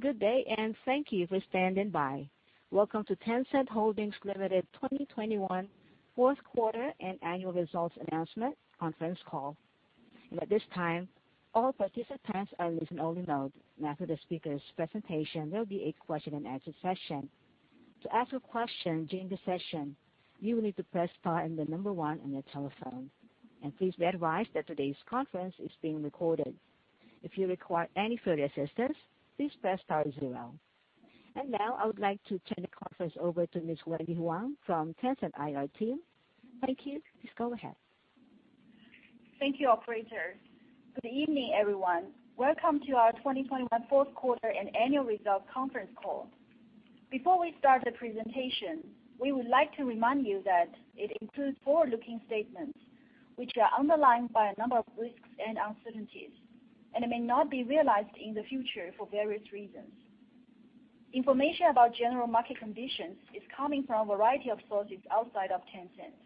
Good day, and thank you for standing by. Welcome to Tencent Holdings Limited 2021 Fourth Quarter and Annual Results Announcement Conference Call. At this time, all participants are in listen-only mode. After the speaker's presentation, there'll be a question and answer session. To ask a question during the session, you will need to press star and the number one on your telephone. Please be advised that today's conference is being recorded. If you require any further assistance, please press star zero. Now, I would like to turn the conference over to Ms. Wendy Huang from Tencent IR team. Thank you. Please go ahead. Thank you, operator. Good evening, everyone. Welcome to our 2021 fourth quarter and annual results conference call. Before we start the presentation, we would like to remind you that it includes forward-looking statements which are subject to a number of risks and uncertainties, and it may not be realized in the future for various reasons. Information about general market conditions is coming from a variety of sources outside of Tencent.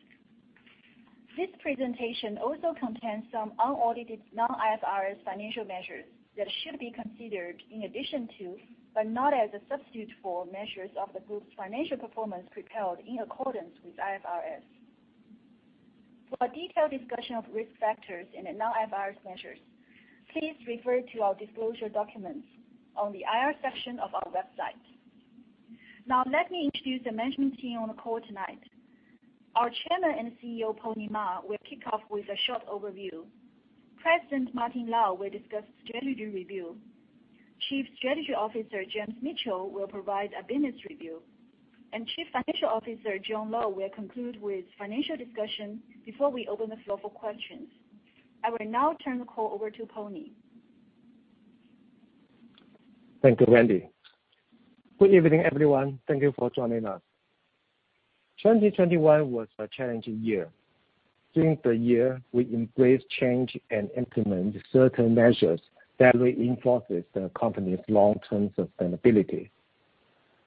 This presentation also contains some unaudited non-IFRS financial measures that should be considered in addition to, but not as a substitute for measures of the group's financial performance prepared in accordance with IFRS. For a detailed discussion of risk factors and the non-IFRS measures, please refer to our disclosure documents on the IR section of our website. Now, let me introduce the management team on the call tonight. Our chairman and CEO, Pony Ma, will kick off with a short overview. President, Martin Lau, will discuss strategy review. Chief Strategy Officer, James Mitchell, will provide a business review. Chief Financial Officer, John Lo, will conclude with financial discussion before we open the floor for questions. I will now turn the call over to Pony. Thank you, Wendy. Good evening, everyone. Thank you for joining us. 2021 was a challenging year. During the year, we embraced change and implemented certain measures that reinforces the company's long-term sustainability,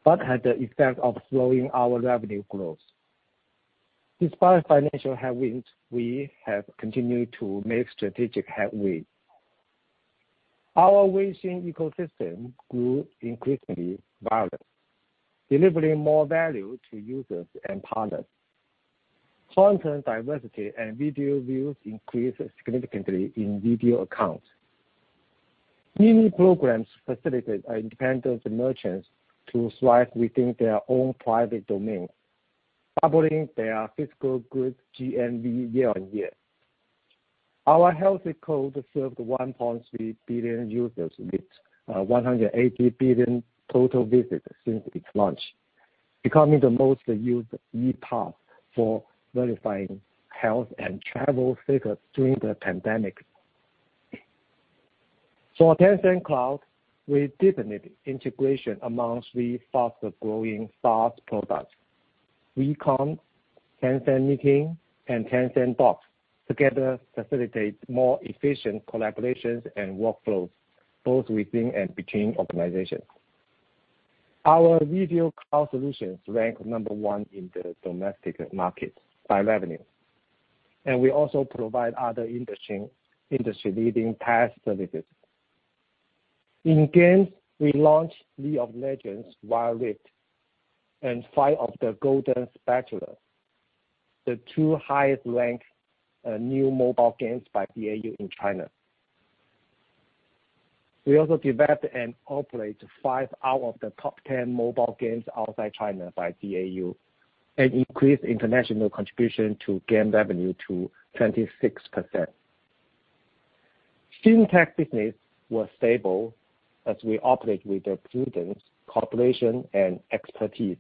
but had the effect of slowing our revenue growth. Despite financial headwinds, we have continued to make strategic headway. Our Weixin ecosystem grew increasingly vibrant, delivering more value to users and partners. Content diversity and video views increased significantly in Video Accounts. Mini programs facilitate our independent merchants to thrive within their own private domain, doubling their physical goods GMV year-on-year. Our health code served 1.3 billion users with 180 billion total visits since its launch, becoming the most used e-pass for verifying health and travel status during the pandemic. For Tencent Cloud, we deepened integration amongst the fastest-growing SaaS products. WeCom, Tencent Meeting, and Tencent Docs together facilitate more efficient collaborations and workflows both within and between organizations. Our video cloud solutions rank one in the domestic market by revenue, and we also provide other industry-leading PaaS services. In games, we launched League of Legends: Wild Rift and Fight of the Golden Spatula, the two highest-ranked new mobile games by DAU in China. We also developed and operate five out of the top 10 mobile games outside China by DAU and increased international contribution to game revenue to 26%. FinTech business was stable as we operate with prudence, cooperation, and expertise.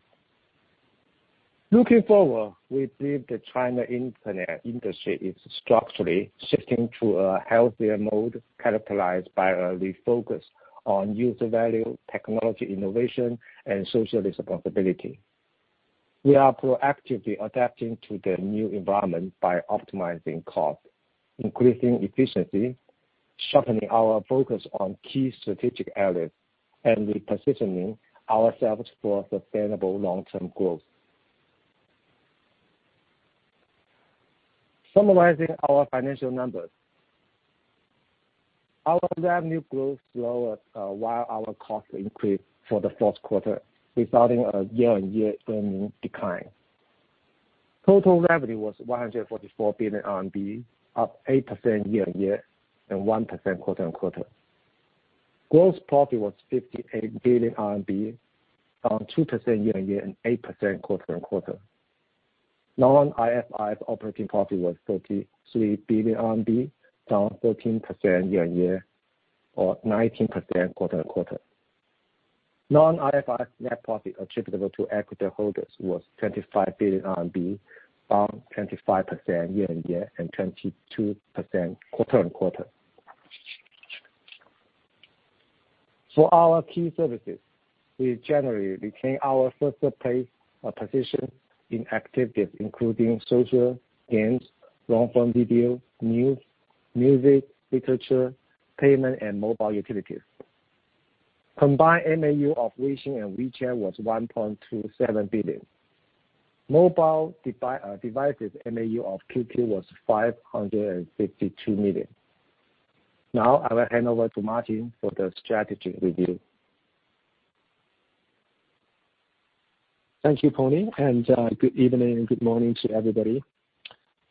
Looking forward, we believe the China internet industry is structurally shifting to a healthier mode characterized by a refocus on user value, technology innovation, and social responsibility. We are proactively adapting to the new environment by optimizing costs, increasing efficiency, sharpening our focus on key strategic areas, and repositioning ourselves for sustainable long-term growth. Summarizing our financial numbers. Our revenue growth slowed, while our costs increased for the fourth quarter, resulting in a year-on-year earnings decline. Total revenue was 144 billion RMB, up 8% year-on-year, and 1% quarter-on-quarter. Gross profit was 58 billion RMB, down 2% year-on-year, and 8% quarter-on-quarter. non-IFRS operating profit was 33 billion RMB, down 13% year-on-year, or 19% quarter-on-quarter. non-IFRS net profit attributable to equity holders was 25 billion RMB, down 25% year-on-year, and 22% quarter-on-quarter. For our key services, we generally retained our first place, position in activities including social, games, long-form video, news, music, literature, payment, and mobile utilities. Combined MAU of Weixin and WeChat was 1.27 billion. Mobile devices MAU of QQ was 552 million. Now I will hand over to Martin for the strategy review. Thank you, Pony. Good evening and good morning to everybody.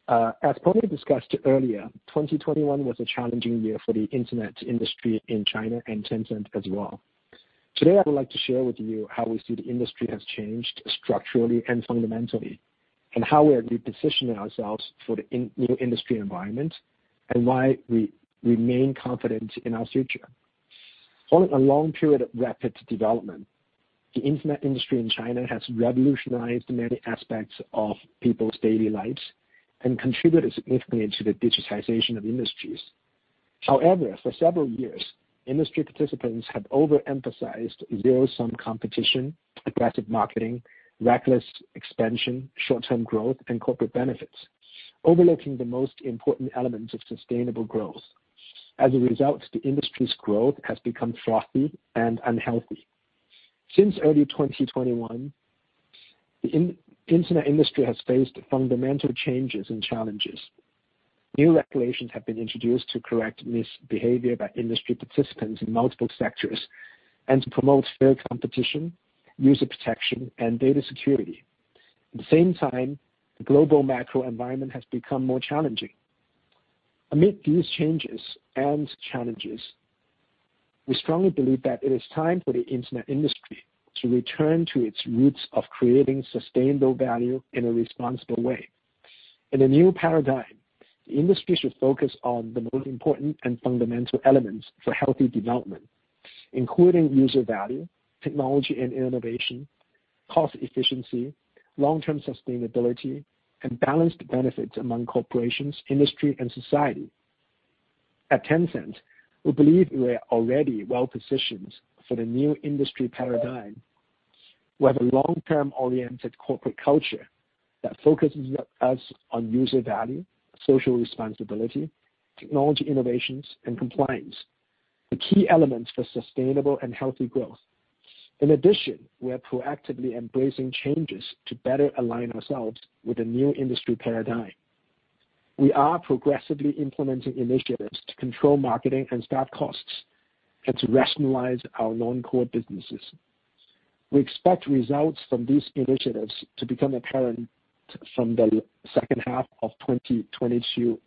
As Pony discussed earlier, 2021 was a challenging year for the internet industry in China and Tencent as well. Today I would like to share with you how we see the industry has changed structurally and fundamentally, and how we are repositioning ourselves for the new industry environment and why we remain confident in our future. Following a long period of rapid development, the internet industry in China has revolutionized many aspects of people's daily lives and contributed significantly to the digitization of industries. However, for several years, industry participants have overemphasized zero-sum competition, aggressive marketing, reckless expansion, short-term growth, and corporate benefits, overlooking the most important elements of sustainable growth. As a result, the industry's growth has become frothy and unhealthy. Since early 2021, the internet industry has faced fundamental changes and challenges. New regulations have been introduced to correct misbehavior by industry participants in multiple sectors and to promote fair competition, user protection, and data security. At the same time, the global macro environment has become more challenging. Amid these changes and challenges, we strongly believe that it is time for the internet industry to return to its roots of creating sustainable value in a responsible way. In a new paradigm, the industry should focus on the most important and fundamental elements for healthy development, including user value, technology and innovation, cost efficiency, long-term sustainability, and balanced benefits among corporations, industry, and society. At Tencent, we believe we are already well-positioned for the new industry paradigm. We have a long-term-oriented corporate culture that focuses us on user value, social responsibility, technology innovations, and compliance, the key elements for sustainable and healthy growth. In addition, we are proactively embracing changes to better align ourselves with the new industry paradigm. We are progressively implementing initiatives to control marketing and staff costs and to rationalize our non-core businesses. We expect results from these initiatives to become apparent from the second half of 2022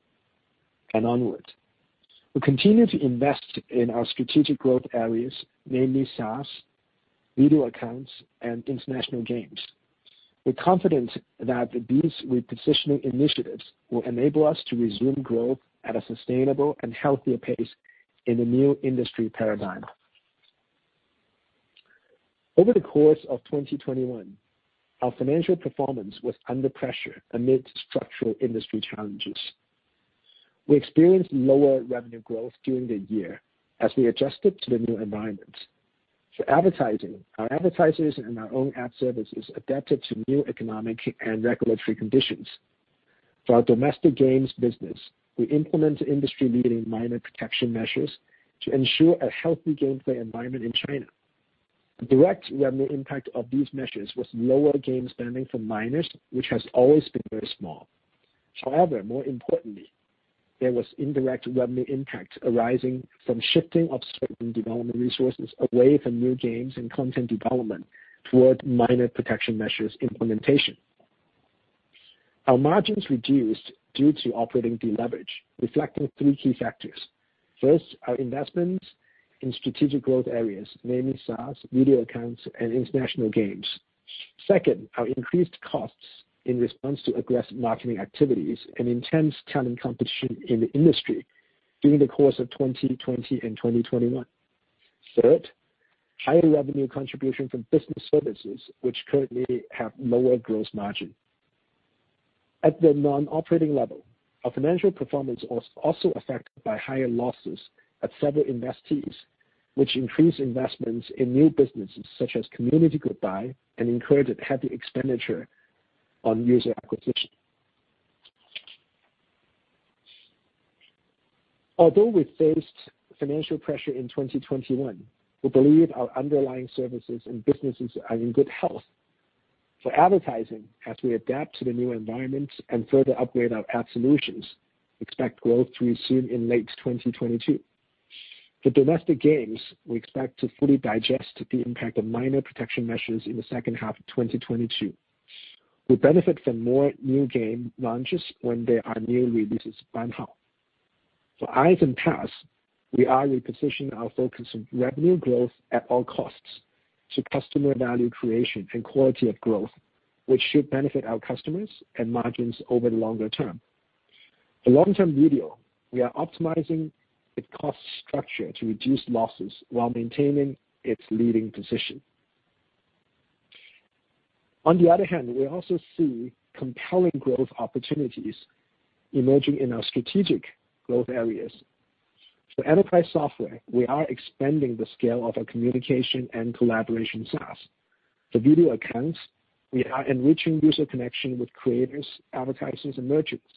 and onwards. We continue to invest in our strategic growth areas, namely SaaS, Video Accounts, and international games. We're confident that these repositioning initiatives will enable us to resume growth at a sustainable and healthier pace in the new industry paradigm. Over the course of 2021, our financial performance was under pressure amid structural industry challenges. We experienced lower revenue growth during the year as we adjusted to the new environment. For advertising, our advertisers and our own ad services adapted to new economic and regulatory conditions. For our domestic games business, we implemented industry-leading minor protection measures to ensure a healthy gameplay environment in China. The direct revenue impact of these measures was lower game spending for minors, which has always been very small. However, more importantly, there was indirect revenue impact arising from shifting of certain development resources away from new games and content development towards minor protection measures implementation. Our margins reduced due to operating deleverage, reflecting three key factors. First, our investments in strategic growth areas, namely SaaS, Video Accounts, and international games. Second, our increased costs in response to aggressive marketing activities and intense talent competition in the industry during the course of 2020 and 2021. Third, higher revenue contribution from Business Services, which currently have lower gross margin. At the non-operating level, our financial performance was also affected by higher losses at several investees, which increased investments in new businesses such as community group buy and incurred heavy expenditure on user acquisition. Although we faced financial pressure in 2021, we believe our underlying services and businesses are in good health. For advertising, as we adapt to the new environment and further upgrade our ad solutions, expect growth to resume in late 2022. For domestic games, we expect to fully digest the impact of minor protection measures in the second half of 2022. We benefit from more new game launches when there are new releases. For IaaS and PaaS, we are repositioning our focus on revenue growth at all costs to customer value creation and quality of growth, which should benefit our customers and margins over the longer term. For long-form video, we are optimizing its cost structure to reduce losses while maintaining its leading position. On the other hand, we also see compelling growth opportunities emerging in our strategic growth areas. For enterprise software, we are expanding the scale of our communication and collaboration SaaS. For Video Accounts, we are enriching user connection with creators, advertisers, and merchants.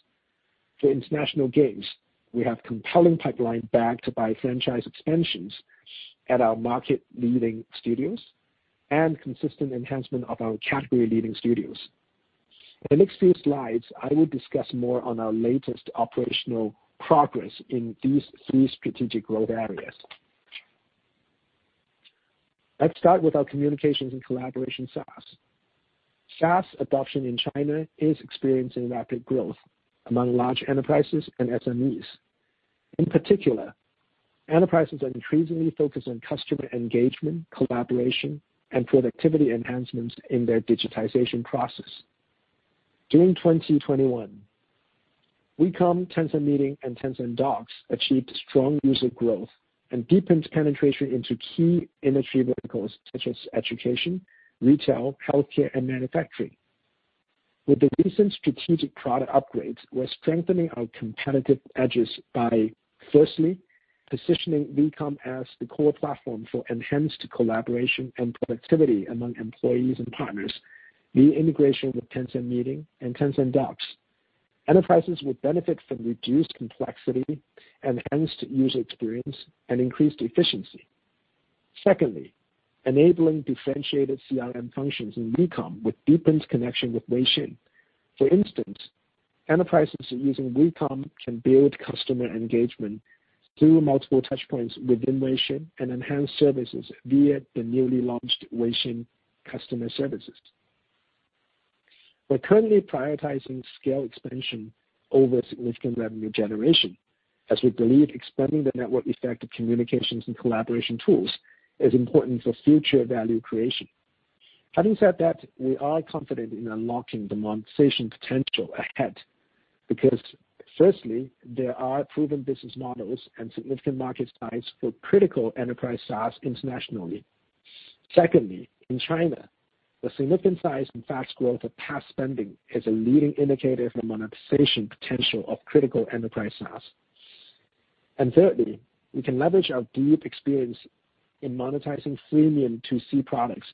For international games, we have compelling pipeline backed by franchise expansions at our market leading studios and consistent enhancement of our category leading studios. In the next few slides, I will discuss more on our latest operational progress in these three strategic growth areas. Let's start with our communications and collaboration SaaS. SaaS adoption in China is experiencing rapid growth among large enterprises and SMEs. In particular, enterprises are increasingly focused on customer engagement, collaboration, and productivity enhancements in their digitization process. During 2021, WeCom, Tencent Meeting, and Tencent Docs achieved strong user growth and deepened penetration into key industry verticals such as education, retail, healthcare, and manufacturing. With the recent strategic product upgrades, we're strengthening our competitive edges by firstly, positioning WeCom as the core platform for enhanced collaboration and productivity among employees and partners via integration with Tencent Meeting and Tencent Docs. Enterprises will benefit from reduced complexity, enhanced user experience, and increased efficiency. Secondly, enabling differentiated CRM functions in WeCom with deepened connection with Weixin. For instance, enterprises using WeCom can build customer engagement through multiple touch points within Weixin and enhance services via the newly launched Weixin customer services. We're currently prioritizing scale expansion over significant revenue generation, as we believe expanding the network effect of communications and collaboration tools is important for future value creation. Having said that, we are confident in unlocking the monetization potential ahead, because firstly, there are proven business models and significant market size for critical enterprise SaaS internationally. Secondly, in China, the significant size and fast growth of past spending is a leading indicator for monetization potential of critical enterprise SaaS. Thirdly, we can leverage our deep experience in monetizing freemium to C products,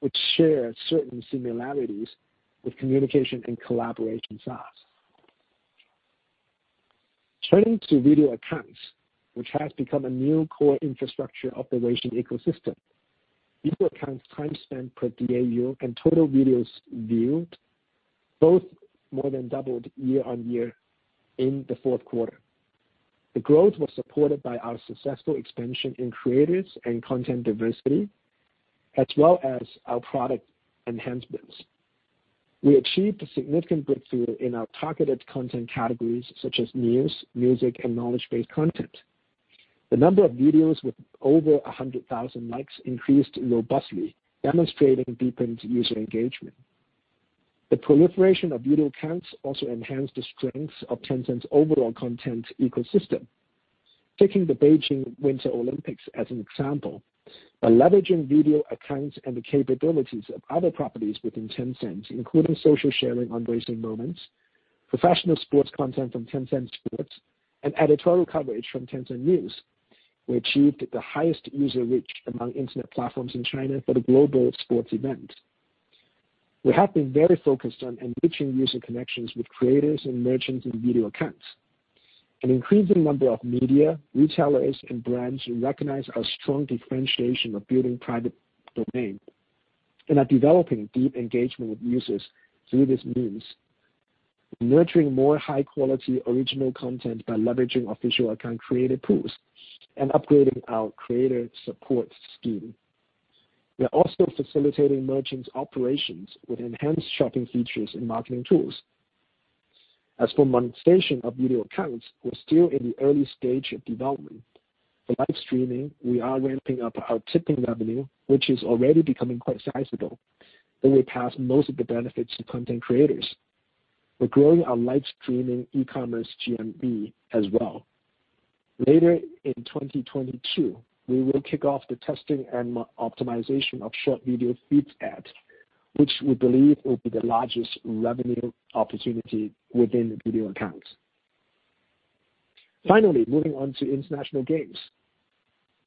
which share certain similarities with communication and collaboration SaaS. Turning to Video Accounts, which has become a new core infrastructure of the Weixin ecosystem. Video Accounts time spent per DAU and total videos viewed both more than doubled year-on-year in the fourth quarter. The growth was supported by our successful expansion in creatives and content diversity, as well as our product enhancements. We achieved a significant breakthrough in our targeted content categories such as news, music, and knowledge-based content. The number of videos with over 100,000 likes increased robustly, demonstrating deepened user engagement. The proliferation of Video Accounts also enhanced the strengths of Tencent's overall content ecosystem. Taking the Beijing Winter Olympics as an example, by leveraging Video Accounts and the capabilities of other properties within Tencent, including social sharing on WeChat Moments, professional sports content from Tencent Sports, and editorial coverage from Tencent News, we achieved the highest user reach among Internet platforms in China for the global sports event. We have been very focused on enriching user connections with creators and merchants in Video Accounts. An increasing number of media, retailers, and brands recognize our strong differentiation of building private domain and are developing deep engagement with users through this means, nurturing more high quality original content by leveraging official account creator pools and upgrading our creator support scheme. We are also facilitating merchants' operations with enhanced shopping features and marketing tools. As for monetization of Video Accounts, we're still in the early stage of development. For live streaming, we are ramping up our tipping revenue, which is already becoming quite sizable, and we pass most of the benefits to content creators. We're growing our live streaming e-commerce GMV as well. Later in 2022, we will kick off the testing and optimization of short video feeds ads, which we believe will be the largest revenue opportunity within the Video Accounts. Finally, moving on to international games.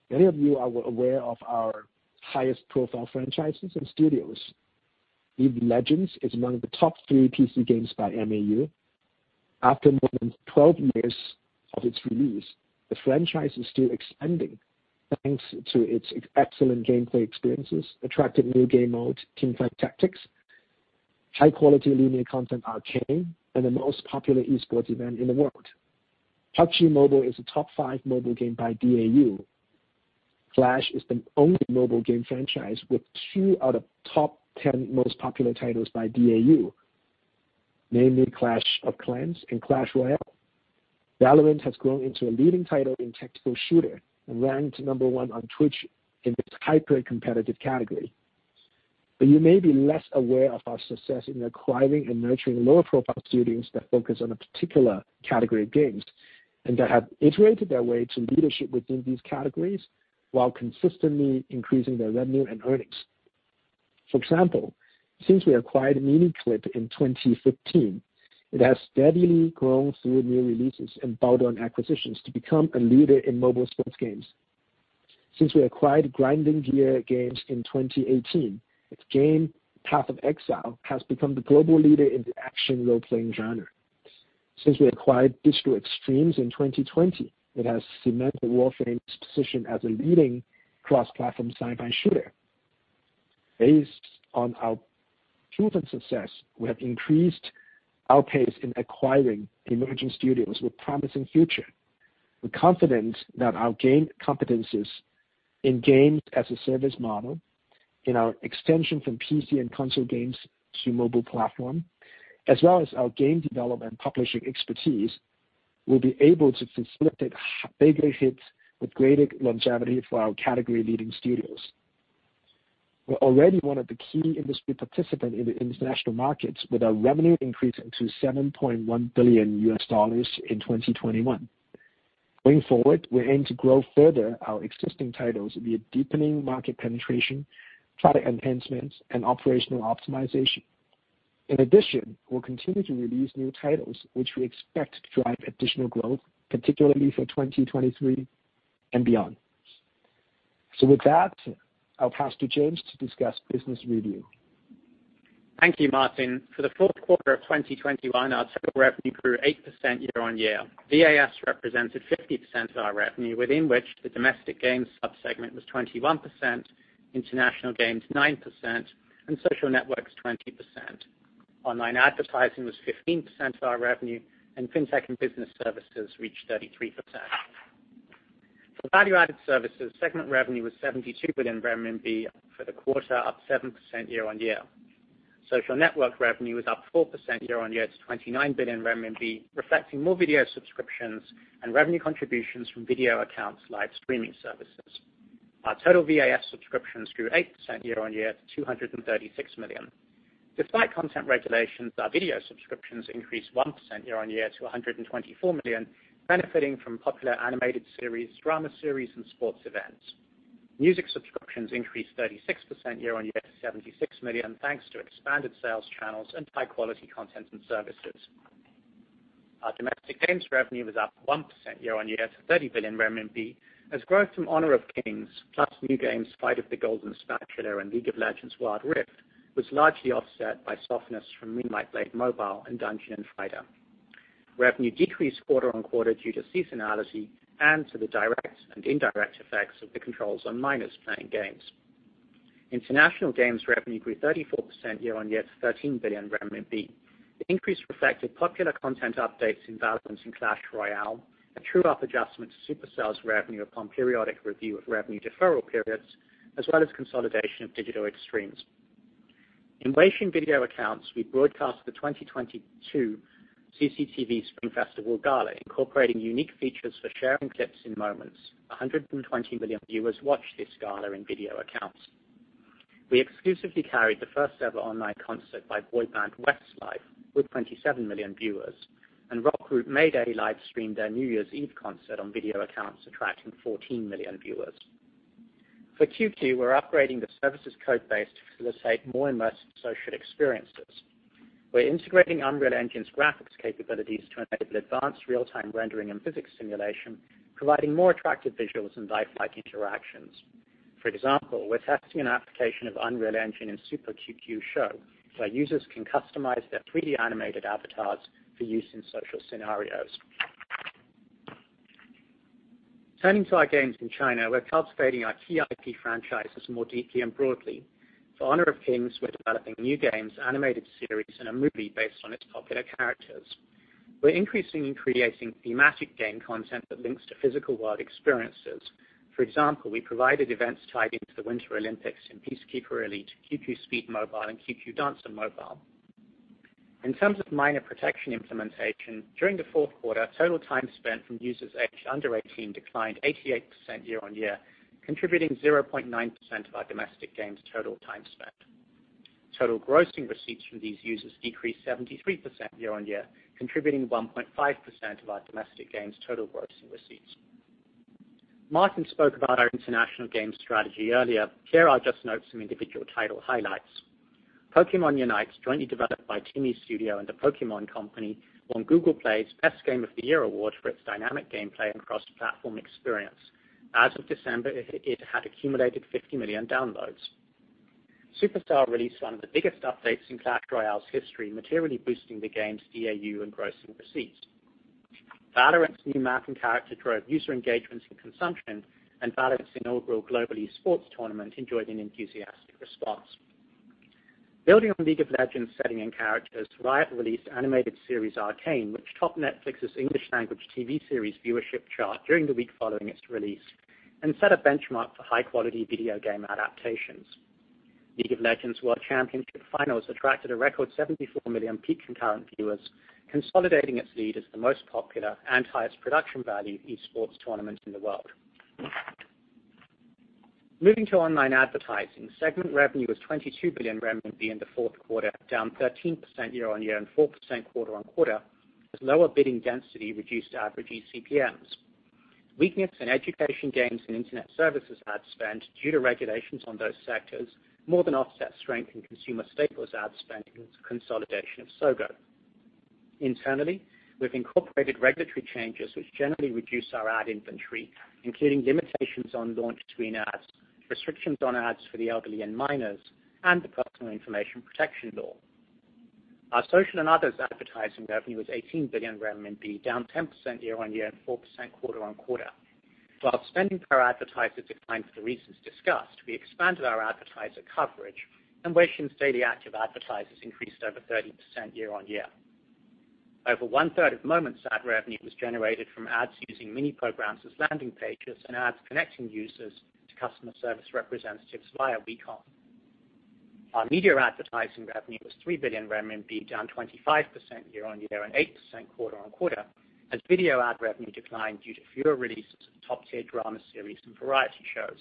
Many of you are aware of our highest profile franchises and studios. League of Legends is among the top three PC games by MAU. After more than 12 years of its release, the franchise is still expanding, thanks to its excellent gameplay experiences, attractive new game mode, Teamfight Tactics, high-quality linear content, Arcane, and the most popular esports event in the world. PUBG Mobile is a top five mobile game by DAU. Clash is the only mobile game franchise with two out of top 10 most popular titles by DAU, namely Clash of Clans and Clash Royale. Valorant has grown into a leading title in tactical shooter and ranked number one on Twitch in its hyper-competitive category. You may be less aware of our success in acquiring and nurturing lower-profile studios that focus on a particular category of games, and that have iterated their way to leadership within these categories while consistently increasing their revenue and earnings. For example, since we acquired Miniclip in 2015, it has steadily grown through new releases and bolt-on acquisitions to become a leader in mobile sports games. Since we acquired Grinding Gear Games in 2018, its game, Path of Exile, has become the global leader in the action role-playing genre. Since we acquired Digital Extremes in 2020, it has cemented Warframe's position as a leading cross-platform sci-fi shooter. Based on our proven success, we have increased our pace in acquiring emerging studios with promising future. We're confident that our game competencies in Games as a Service model, in our extension from PC and console games to mobile platform, as well as our game development publishing expertise, we'll be able to facilitate bigger hits with greater longevity for our category-leading studios. We're already one of the key industry participant in the international markets, with our revenue increasing to $7.1 billion in 2021. Going forward, we aim to grow further our existing titles via deepening market penetration, product enhancements, and operational optimization. In addition, we'll continue to release new titles which we expect to drive additional growth, particularly for 2023 and beyond. With that, I'll pass to James to discuss business review. Thank you, Martin. For the fourth quarter of 2021, our total revenue grew 8% year-on-year. VAS represented 50% of our revenue, within which the Domestic Games sub-segment was 21%, International Games 9%, and Social Networks 20%. Online Advertising was 15% of our revenue, and Fintech and Business Services reached 33%. For Value-Added Services, segment revenue was 72 billion RMB for the quarter, up 7% year-on-year. Social Networks revenue was up 4% year-on-year to 29 billion RMB, reflecting more video subscriptions and revenue contributions from Video Accounts live streaming services. Our total VAS subscriptions grew 8% year-on-year to 236 million. Despite content regulations, our video subscriptions increased 1% year-on-year to 124 million, benefiting from popular animated series, drama series, and sports events. Music subscriptions increased 36% year-over-year to 76 million, thanks to expanded sales channels and high-quality content and services. Our domestic games revenue was up 1% year-over-year to 30 billion RMB, as growth from Honor of Kings, plus new games Fight of the Golden Spatula and League of Legends: Wild Rift, was largely offset by softness from Moonlight Blade Mobile and Dungeon & Fighter. Revenue decreased quarter-over-quarter due to seasonality and to the direct and indirect effects of the controls on minors playing games. International games revenue grew 34% year-over-year to 13 billion renminbi. The increase reflected popular content updates in Valorant and Clash Royale, a true-up adjustment to Supercell's revenue upon periodic review of revenue deferral periods, as well as consolidation of Digital Extremes. In Weixin Video Accounts, we broadcast the 2022 CCTV Spring Festival Gala, incorporating unique features for sharing clips and moments. 120 million viewers watched this gala in Video Accounts. We exclusively carried the first-ever online concert by boy band Westlife, with 27 million viewers, and rock group Mayday live-streamed their New Year's Eve concert on Video Accounts, attracting 14 million viewers. For QQ, we're upgrading the service's code base to facilitate more immersed social experiences. We're integrating Unreal Engine's graphics capabilities to enable advanced real-time rendering and physics simulation, providing more attractive visuals and lifelike interactions. For example, we're testing an application of Unreal Engine in Super QQ Show, where users can customize their 3D animated avatars for use in social scenarios. Turning to our games in China, we're cultivating our key IP franchises more deeply and broadly. For Honor of Kings, we're developing new games, animated series, and a movie based on its popular characters. We're increasingly creating thematic game content that links to physical world experiences. For example, we provided events tied into the Winter Olympics in Peacekeeper Elite, QQ Speed Mobile, and QQ Dancer Mobile. In terms of minor protection implementation, during the fourth quarter, total time spent from users aged under eighteen declined 88% year-on-year, contributing 0.9% of our domestic games' total time spent. Total grossing receipts from these users decreased 73% year-on-year, contributing 1.5% of our domestic games' total gross receipts. Martin spoke about our international games strategy earlier. Here I'll just note some individual title highlights. Pokémon Unite, jointly developed by TiMi Studio and The Pokémon Company, won Google Play's Best Game of the Year award for its dynamic gameplay and cross-platform experience. As of December, it had accumulated 50 million downloads. Supercell released one of the biggest updates in Clash Royale's history, materially boosting the game's DAU and grossing receipts. Valorant's new map and character drove user engagements and consumption, and Valorant's inaugural global esports tournament enjoyed an enthusiastic response. Building on League of Legends' setting and characters, Riot released animated series Arcane, which topped Netflix's English language TV series viewership chart during the week following its release and set a benchmark for high-quality video game adaptations. League of Legends World Championship Finals attracted a record 74 million peak concurrent viewers, consolidating its lead as the most popular and highest production value esports tournament in the world. Moving to online advertising, segment revenue was 22 billion renminbi in the fourth quarter, down 13% year-over-year and 4% quarter-over-quarter, as lower bidding density reduced average eCPMs. Weakness in education games and internet services ad spend, due to regulations on those sectors, more than offset strength in consumer staples ad spend and consolidation of Sogou. Internally, we've incorporated regulatory changes which generally reduce our ad inventory, including limitations on launch screen ads, restrictions on ads for the elderly and minors, and the Personal Information Protection Law. Our social and others advertising revenue is 18 billion RMB, down 10% year-on-year and 4% quarter-on-quarter. While spending per advertiser declined for the reasons discussed, we expanded our advertiser coverage, and Weixin daily active advertisers increased over 30% year-on-year. Over one-third of Moments' ad revenue was generated from ads using mini programs as landing pages and ads connecting users to customer service representatives via WeCom. Our media advertising revenue was 3 billion RMB, down 25% year-on-year and 8% quarter-on-quarter, as video ad revenue declined due to fewer releases of top-tier drama series and variety shows.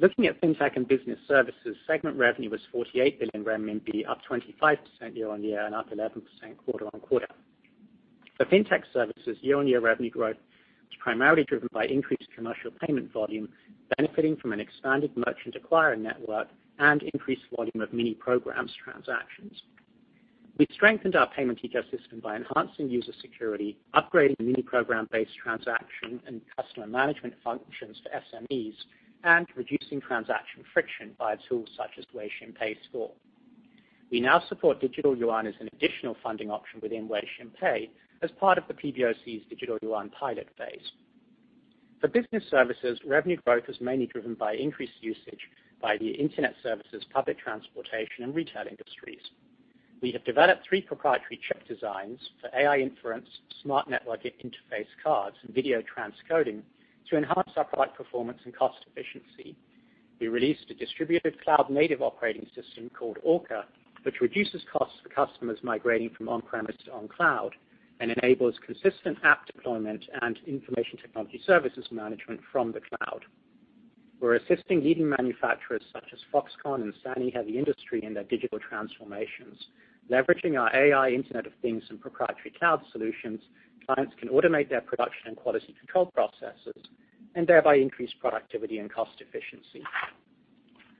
Looking at Fintech and Business Services, segment revenue was 48 billion renminbi, up 25% year-on-year and up 11% quarter-on-quarter. For Fintech services, year-on-year revenue growth was primarily driven by increased commercial payment volume, benefiting from an expanded merchant acquirer network and increased volume of mini programs transactions. We strengthened our payment ecosystem by enhancing user security, upgrading the mini program-based transaction and customer management functions for SMEs, and reducing transaction friction via tools such as Weixin Pay score. We now support digital yuan as an additional funding option within Weixin Pay as part of the PBOC's digital yuan pilot phase. For business services, revenue growth was mainly driven by increased usage by the internet services, public transportation, and retail industries. We have developed three proprietary chip designs for AI inference, smart network interface cards, and video transcoding to enhance our product performance and cost efficiency. We released a distributed cloud-native operating system called Orca, which reduces costs for customers migrating from on-premise to on cloud and enables consistent app deployment and information technology services management from the cloud. We're assisting leading manufacturers such as Foxconn and Sany Heavy Industry in their digital transformations. Leveraging our AI Internet of Things and proprietary cloud solutions, clients can automate their production and quality control processes and thereby increase productivity and cost efficiency.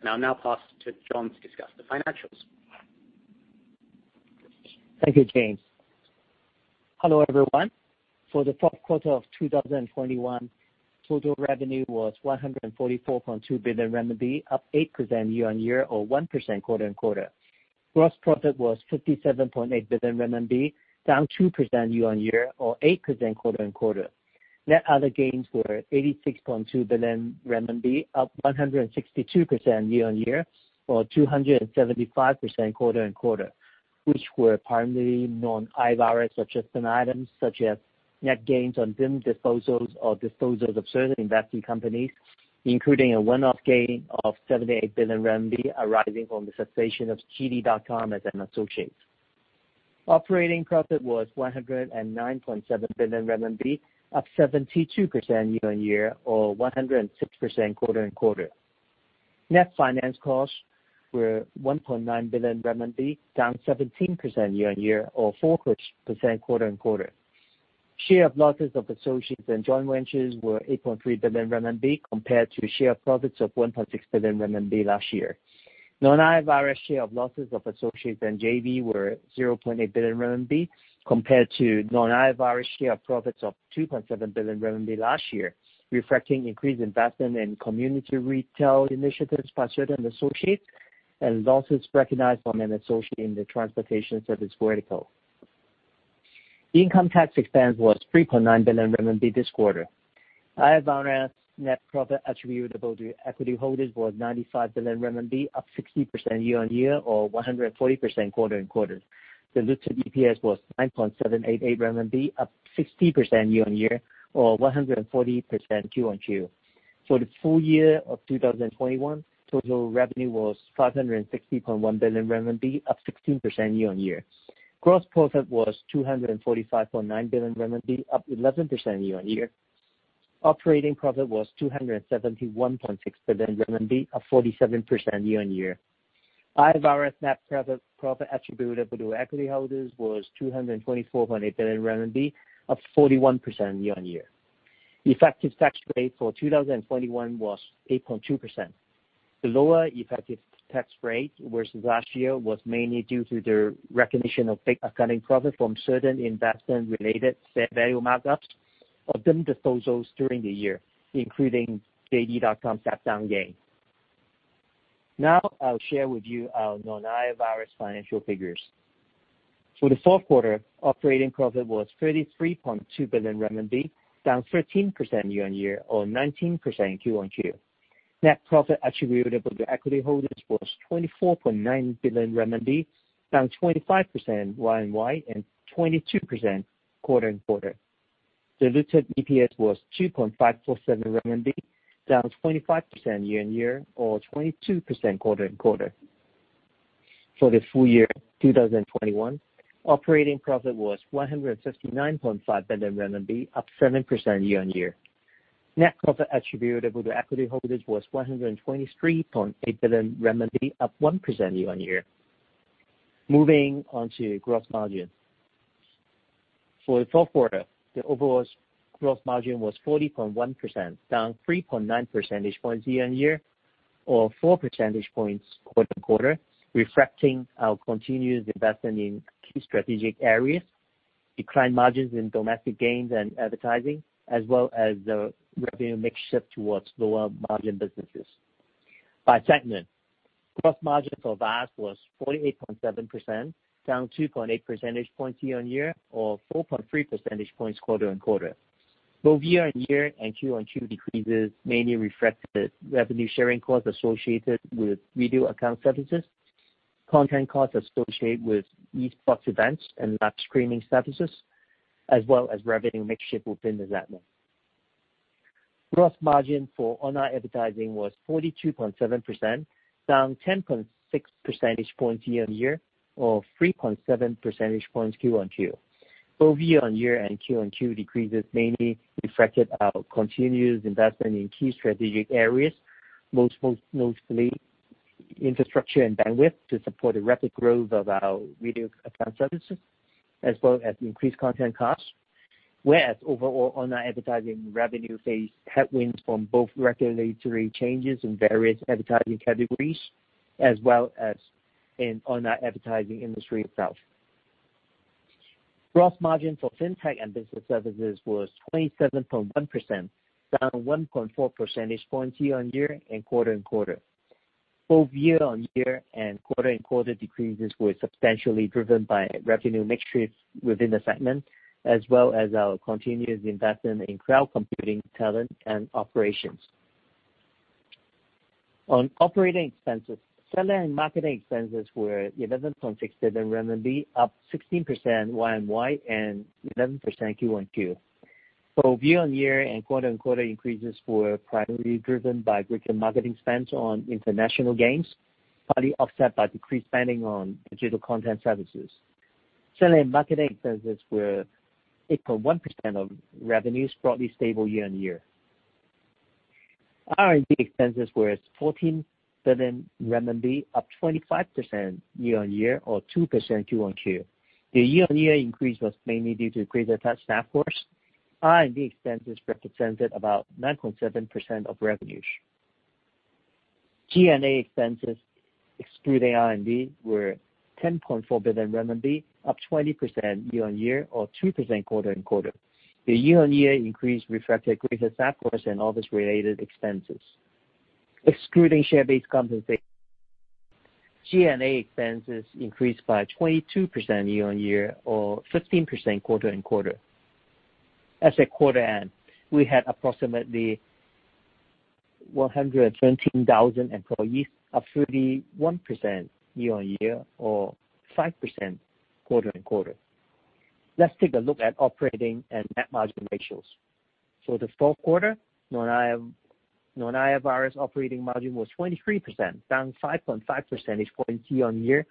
I'll now pass to John to discuss the financials. Thank you, James. Hello, everyone. For the fourth quarter of 2021, total revenue was 144.2 billion RMB, up 8% year-on-year or 1% quarter-on-quarter. Gross profit was 57.8 billion RMB, down 2% year-on-year or 8% quarter-on-quarter. Net other gains were 86.2 billion RMB, up 162% year-on-year or 275% quarter-on-quarter, which were primarily non-IFRS adjustment items such as net gains on deemed disposals or disposals of certain investing companies, including a one-off gain of 78 billion RMB arising from the cessation of JD.com as an associate. Operating profit was 109.7 billion RMB, up 72% year-on-year or 106% quarter-on-quarter. Net finance costs were 1.9 billion RMB, down 17% year-on-year or 4% quarter-on-quarter. Share of losses of associates and joint ventures were 8.3 billion RMB compared to share profits of 1.6 billion RMB last year. non-IFRS share of losses of associates and JV were 0.8 billion RMB compared to non-IFRS share of profits of 2.7 billion RMB last year, reflecting increased investment in community retail initiatives by certain associates and losses recognized from an associate in the transportation service vertical. Income tax expense was 3.9 billion RMB this quarter. IFRS net profit attributable to equity holders was 95 billion RMB, up 60% year-on-year or 140% quarter-on-quarter. Diluted EPS was RMB 9.788, up 60% year-on-year or 140% Q-on-Q. For the full year of 2021, total revenue was 560.1 billion RMB, up 16% year-on-year. Gross profit was 245.9 billion RMB, up 11% year-on-year. Operating profit was 271.6 billion RMB, up 47% year-on-year. IFRS net profit attributable to equity holders was 224.8 billion RMB, up 41% year-on-year. The effective tax rate for 2021 was 8.2%. The lower effective tax rate versus last year was mainly due to the recognition of big accounting profit from certain investment-related value markups of deemed disposals during the year, including JD.com's shutdown gain. Now I'll share with you our non-IFRS financial figures. For the fourth quarter, operating profit was 33.2 billion RMB, down 13% year-on-year or 19% Q-on-Q. Net profit attributable to equity holders was 24.9 billion renminbi, down 25% Y-on-Y and 22% quarter-on-quarter. Diluted EPS was 2.547 RMB, down 25% year-on-year or 22% quarter-on-quarter. For the full year 2021, operating profit was 159.5 billion RMB, up 7% year-on-year. Net profit attributable to equity holders was 123.8 billion RMB, up 1% year-on-year. Moving on to gross margin. For the fourth quarter, the overall gross margin was 40.1%, down 3.9 percentage points year-on-year or 4 percentage points quarter-on-quarter, reflecting our continuous investment in key strategic areas, declined margins in domestic games and advertising, as well as the revenue mix shift towards lower margin businesses. By segment, gross margin for VAS was 48.7%, down 2.8 percentage points year-on-year or 4.3 percentage points quarter-on-quarter. Both year-on-year and Q-on-Q decreases mainly reflected revenue sharing costs associated with Video Accounts services, content costs associated with esports events and live streaming services, as well as revenue mix shift within the segment. Gross margin for online advertising was 42.7%, down 10.6 percentage points year-on-year or 3.7 percentage points Q-on-Q. Both year-on-year and Q-on-Q decreases mainly reflected our continuous investment in key strategic areas, mostly infrastructure and bandwidth to support the rapid growth of our Video Accounts services, as well as increased content costs, whereas overall online advertising revenue faced headwinds from both regulatory changes in various advertising categories as well as in online advertising industry itself. Gross margin for Fintech and Business Services was 27.1%, down 1.4 percentage points year-on-year and quarter-on-quarter. Both year-on-year and quarter-on-quarter decreases were substantially driven by revenue mix shift within the segment, as well as our continuous investment in cloud computing talent and operations. On operating expenses, selling and marketing expenses were 11.6 billion RMB, up 16% year-on-year and 11% quarter-on-quarter. Both year-on-year and quarter-on-quarter increases were primarily driven by greater marketing spends on international games, partly offset by decreased spending on digital content services. Selling and marketing expenses were 8.1% of revenues, broadly stable year-on-year. R&D expenses were 14 billion renminbi, up 25% year-on-year or 2% quarter-on-quarter. The year-on-year increase was mainly due to greater tech staff costs. R&D expenses represented about 9.7% of revenues. G&A expenses excluding R&D were 10.4 billion RMB, up 20% year-on-year or 2% quarter-on-quarter. The year-on-year increase reflected greater staff costs and office-related expenses. Excluding share-based compensation, G&A expenses increased by 22% year-on-year or 15% quarter-on-quarter. As at quarter end, we had approximately 117,000 employees, up 31% year-on-year or 5% quarter-on-quarter. Let's take a look at operating and net margin ratios. For the fourth quarter, non-IFRS operating margin was 23%, down 5.5 percentage points year-on-year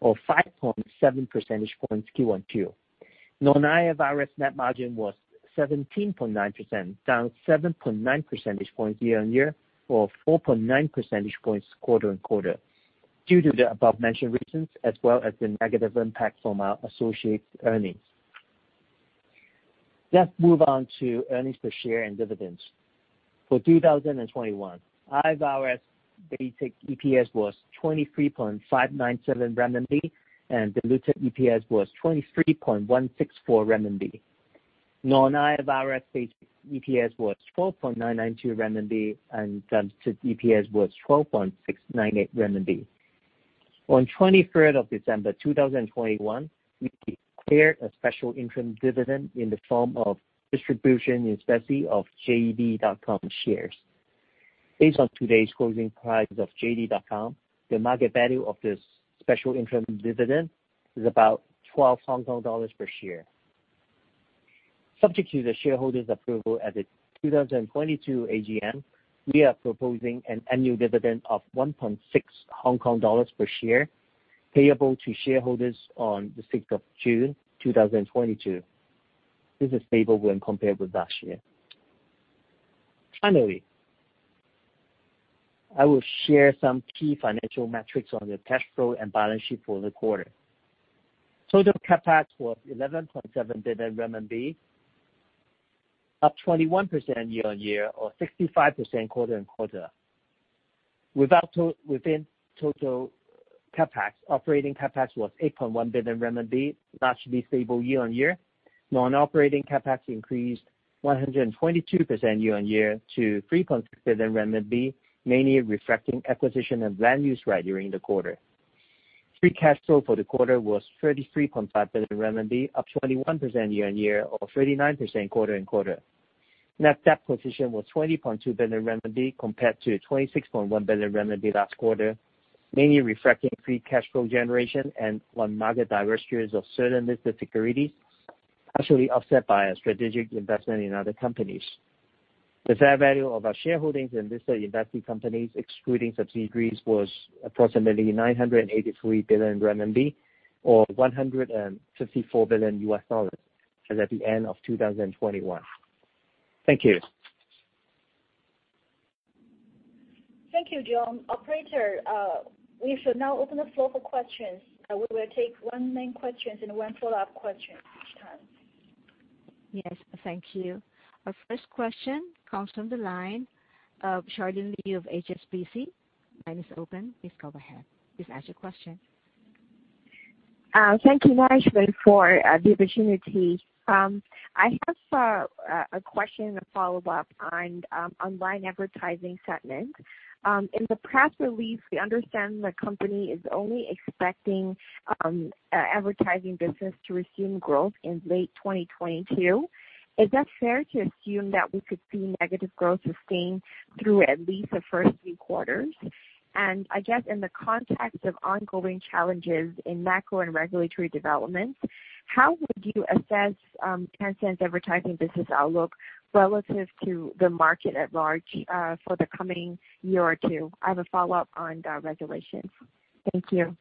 or 5.7 percentage points Q-on-Q. non-IFRS net margin was 17.9%, down 7.9 percentage points year-on-year or 4.9 percentage points quarter-on-quarter due to the above-mentioned reasons as well as the negative impact from our associates' earnings. Let's move on to earnings per share and dividends. For 2021, IFRS basic EPS was 23.597 renminbi, and diluted EPS was 23.164 renminbi. non-IFRS basic EPS was 12.992 renminbi, and diluted EPS was 12.698 renminbi. On 23rd of December 2021, we declared a special interim dividend in the form of distribution in specie of JD.com shares. Based on today's closing price of JD.com, the market value of this special interim dividend is about 12 Hong Kong dollars per share. Subject to the shareholders' approval at the 2022 AGM, we are proposing an annual dividend of 1.6 Hong Kong dollars per share, payable to shareholders on the 6th of June 2022. This is stable when compared with last year. Finally, I will share some key financial metrics on the cash flow and balance sheet for the quarter. Total CapEx was 11.7 billion RMB, up 21% year-on-year or 65% quarter-on-quarter. Within total CapEx, operating CapEx was 8.1 billion RMB, largely stable year-on-year. Non-operating CapEx increased 122% year-on-year to 3.6 billion renminbi, mainly reflecting acquisition of land use right during the quarter. Free cash flow for the quarter was 33.5 billion renminbi, up 21% year-on-year or 39% quarter-on-quarter. Net debt position was 20.2 billion compared to 26.1 billion last quarter, mainly reflecting free cash flow generation and on-market divestitures of certain listed securities, partially offset by a strategic investment in other companies. The fair value of our shareholdings in listed investing companies excluding subsidiaries was approximately 983 billion RMB or $154 billion as at the end of 2021. Thank you. Thank you, John. Operator, we should now open the floor for questions. We will take one main questions and one follow-up question each time. Yes. Thank you. Our first question comes from the line of Charlene Liu of HSBC. Line is open. Please go ahead. Please ask your question. Thank you management for the opportunity. I have a question to follow-up on online advertising segment. In the press release, we understand the company is only expecting advertising business to resume growth in late 2022. Is that fair to assume that we could see negative growth sustained through at least the first three quarters? I guess in the context of ongoing challenges in macro and regulatory developments, how would you assess Tencent's advertising business outlook relative to the market at large for the coming year or two? I have a follow-up on the regulations. Thank you.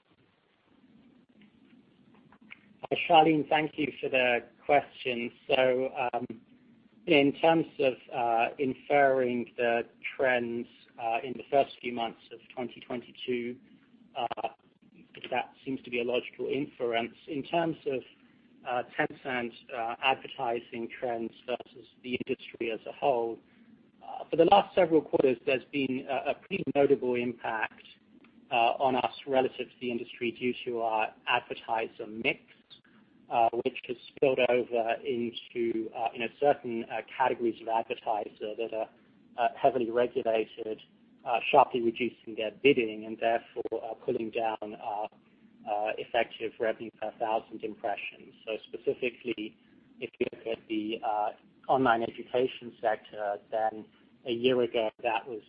Charlene, thank you for the question. In terms of inferring the trends in the first few months of 2022, that seems to be a logical inference. In terms of Tencent's advertising trends versus the industry as a whole, for the last several quarters, there's been a pretty notable impact on us relative to the industry due to our advertiser mix, which has spilled over into, you know, certain categories of advertiser that are heavily regulated, sharply reducing their bidding and therefore are pulling down effective revenue per thousand impressions. Specifically, if you look at the online education sector, then a year ago, that was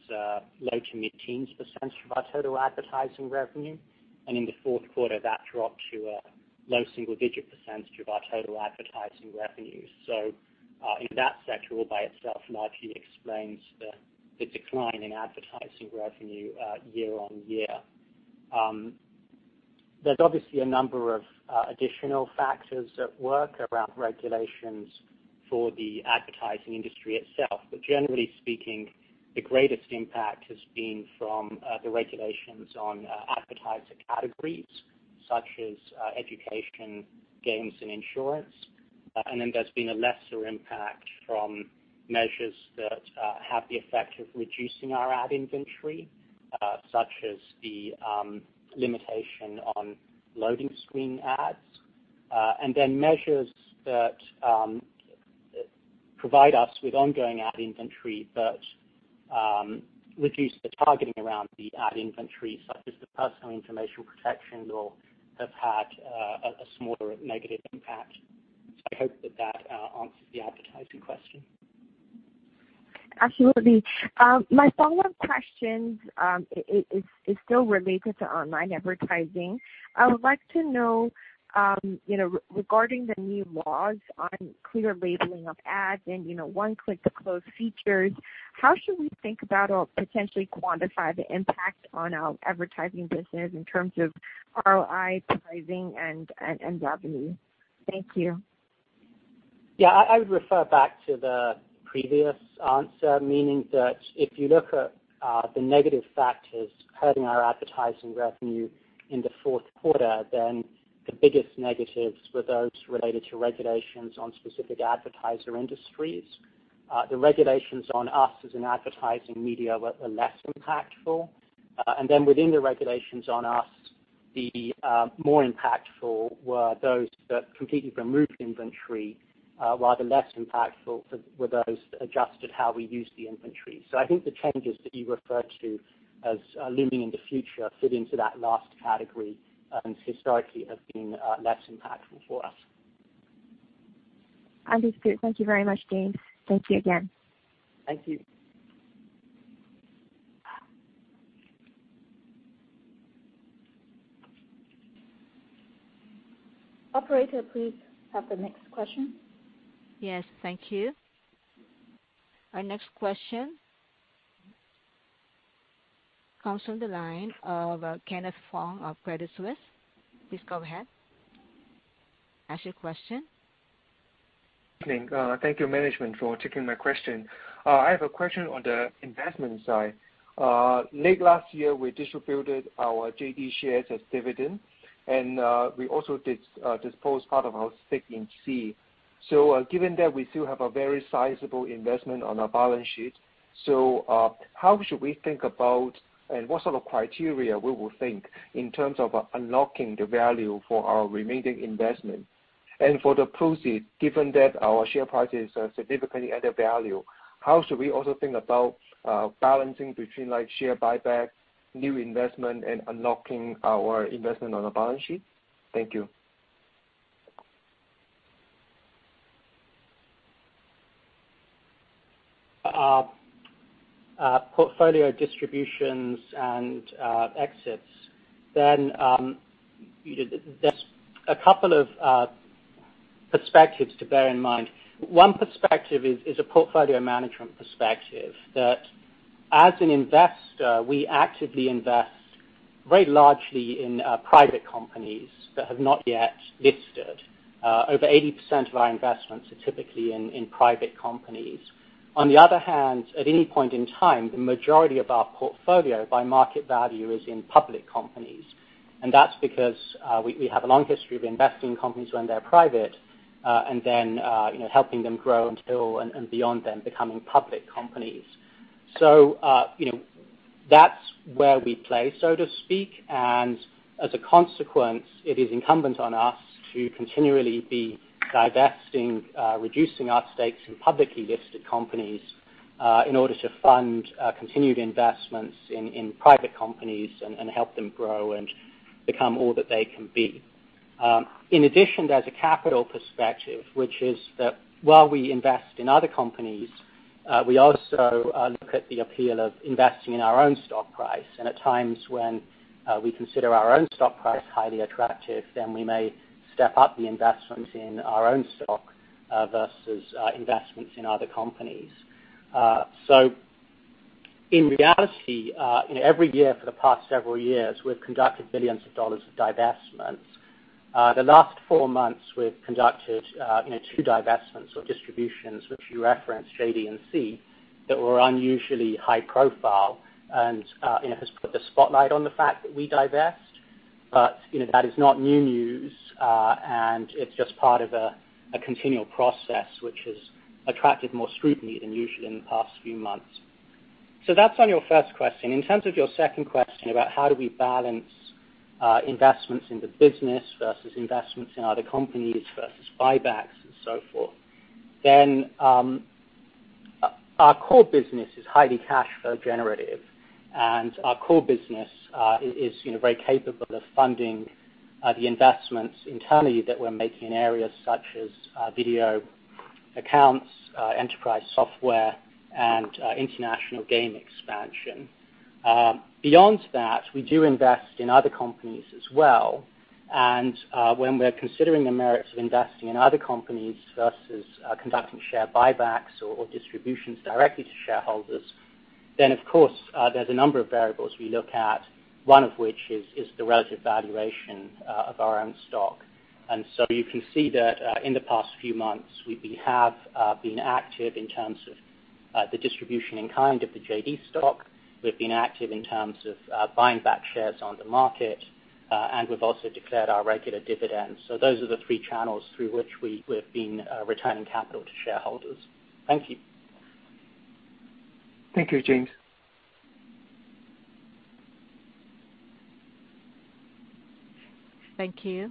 low to mid-teens% of our total advertising revenue. In the fourth quarter, that dropped to a low single-digit percentage of our total advertising revenue. In that sector, all by itself largely explains the decline in advertising revenue year-on-year. There's obviously a number of additional factors at work around regulations for the advertising industry itself. Generally speaking, the greatest impact has been from the regulations on advertiser categories such as education, games, and insurance. There's been a lesser impact from measures that have the effect of reducing our ad inventory, such as the limitation on loading screen ads. Measures that provide us with ongoing ad inventory but reduce the targeting around the ad inventory, such as the Personal Information Protection Law, have had a smaller negative impact. I hope that answers the advertising question. Absolutely. My follow-up question is still related to online advertising. I would like to know, you know, regarding the new laws on clear labeling of ads and, you know, one click to close features, how should we think about or potentially quantify the impact on our advertising business in terms of ROI, pricing, and revenue? Thank you. Yeah. I would refer back to the previous answer, meaning that if you look at the negative factors hurting our advertising revenue in the fourth quarter, then the biggest negatives were those related to regulations on specific advertiser industries. The regulations on us as an advertising media were less impactful. Within the regulations on us, the more impactful were those that completely removed inventory, while the less impactful were those that adjusted how we use the inventory. I think the changes that you referred to as looming in the future fit into that last category and historically have been less impactful for us. Understood. Thank you very much, James. Thank you again. Thank you. Operator, please have the next question. Yes. Thank you. Our next question comes from the line of Kenneth Fong of Credit Suisse. Please go ahead. Ask your question. Good evening. Thank you management for taking my question. I have a question on the investment side. Late last year, we distributed our JD shares as dividend, and we also did dispose of part of our stake in Sea. Given that we still have a very sizable investment on our balance sheet, how should we think about and what sort of criteria we would think in terms of unlocking the value for our remaining investment? And for the proceeds, given that our share price is significantly undervalued, how should we also think about balancing between like share buyback, new investment, and unlocking our investment on the balance sheet? Thank you. Portfolio distributions and exits. You know, there's a couple of perspectives to bear in mind. One perspective is a portfolio management perspective that as an investor, we actively invest very largely in private companies that have not yet listed. Over 80% of our investments are typically in private companies. On the other hand, at any point in time, the majority of our portfolio by market value is in public companies. That's because we have a long history of investing in companies when they're private and then you know, helping them grow until and beyond them becoming public companies. You know, that's where we play, so to speak. As a consequence, it is incumbent on us to continually be divesting, reducing our stakes in publicly listed companies, in order to fund continued investments in private companies and help them grow and become all that they can be. In addition, there's a capital perspective, which is that while we invest in other companies, we also look at the appeal of investing in our own stock price. At times when we consider our own stock price highly attractive, then we may step up the investments in our own stock versus investments in other companies. In reality, you know, every year for the past several years, we've conducted billions dollars of divestments. The last four months we've conducted, you know, two divestments or distributions, which you referenced JD and Sea, that were unusually high profile and, you know, has put the spotlight on the fact that we divest. You know, that is not new news. It's just part of a continual process which has attracted more scrutiny than usual in the past few months. That's on your first question. In terms of your second question about how do we balance, investments in the business versus investments in other companies versus buybacks and so forth, our core business is highly cash flow generative. Our core business is, you know, very capable of funding the investments internally that we're making in areas such as Video Accounts, enterprise software, and international game expansion. Beyond that, we do invest in other companies as well. When we're considering the merits of investing in other companies versus conducting share buybacks or distributions directly to shareholders, then of course, there's a number of variables we look at, one of which is the relative valuation of our own stock. You can see that in the past few months we've been active in terms of the distribution in kind of the JD.com stock. We've been active in terms of buying back shares on the market. We've also declared our regular dividends. Those are the three channels through which we've been returning capital to shareholders. Thank you. Thank you, James. Thank you.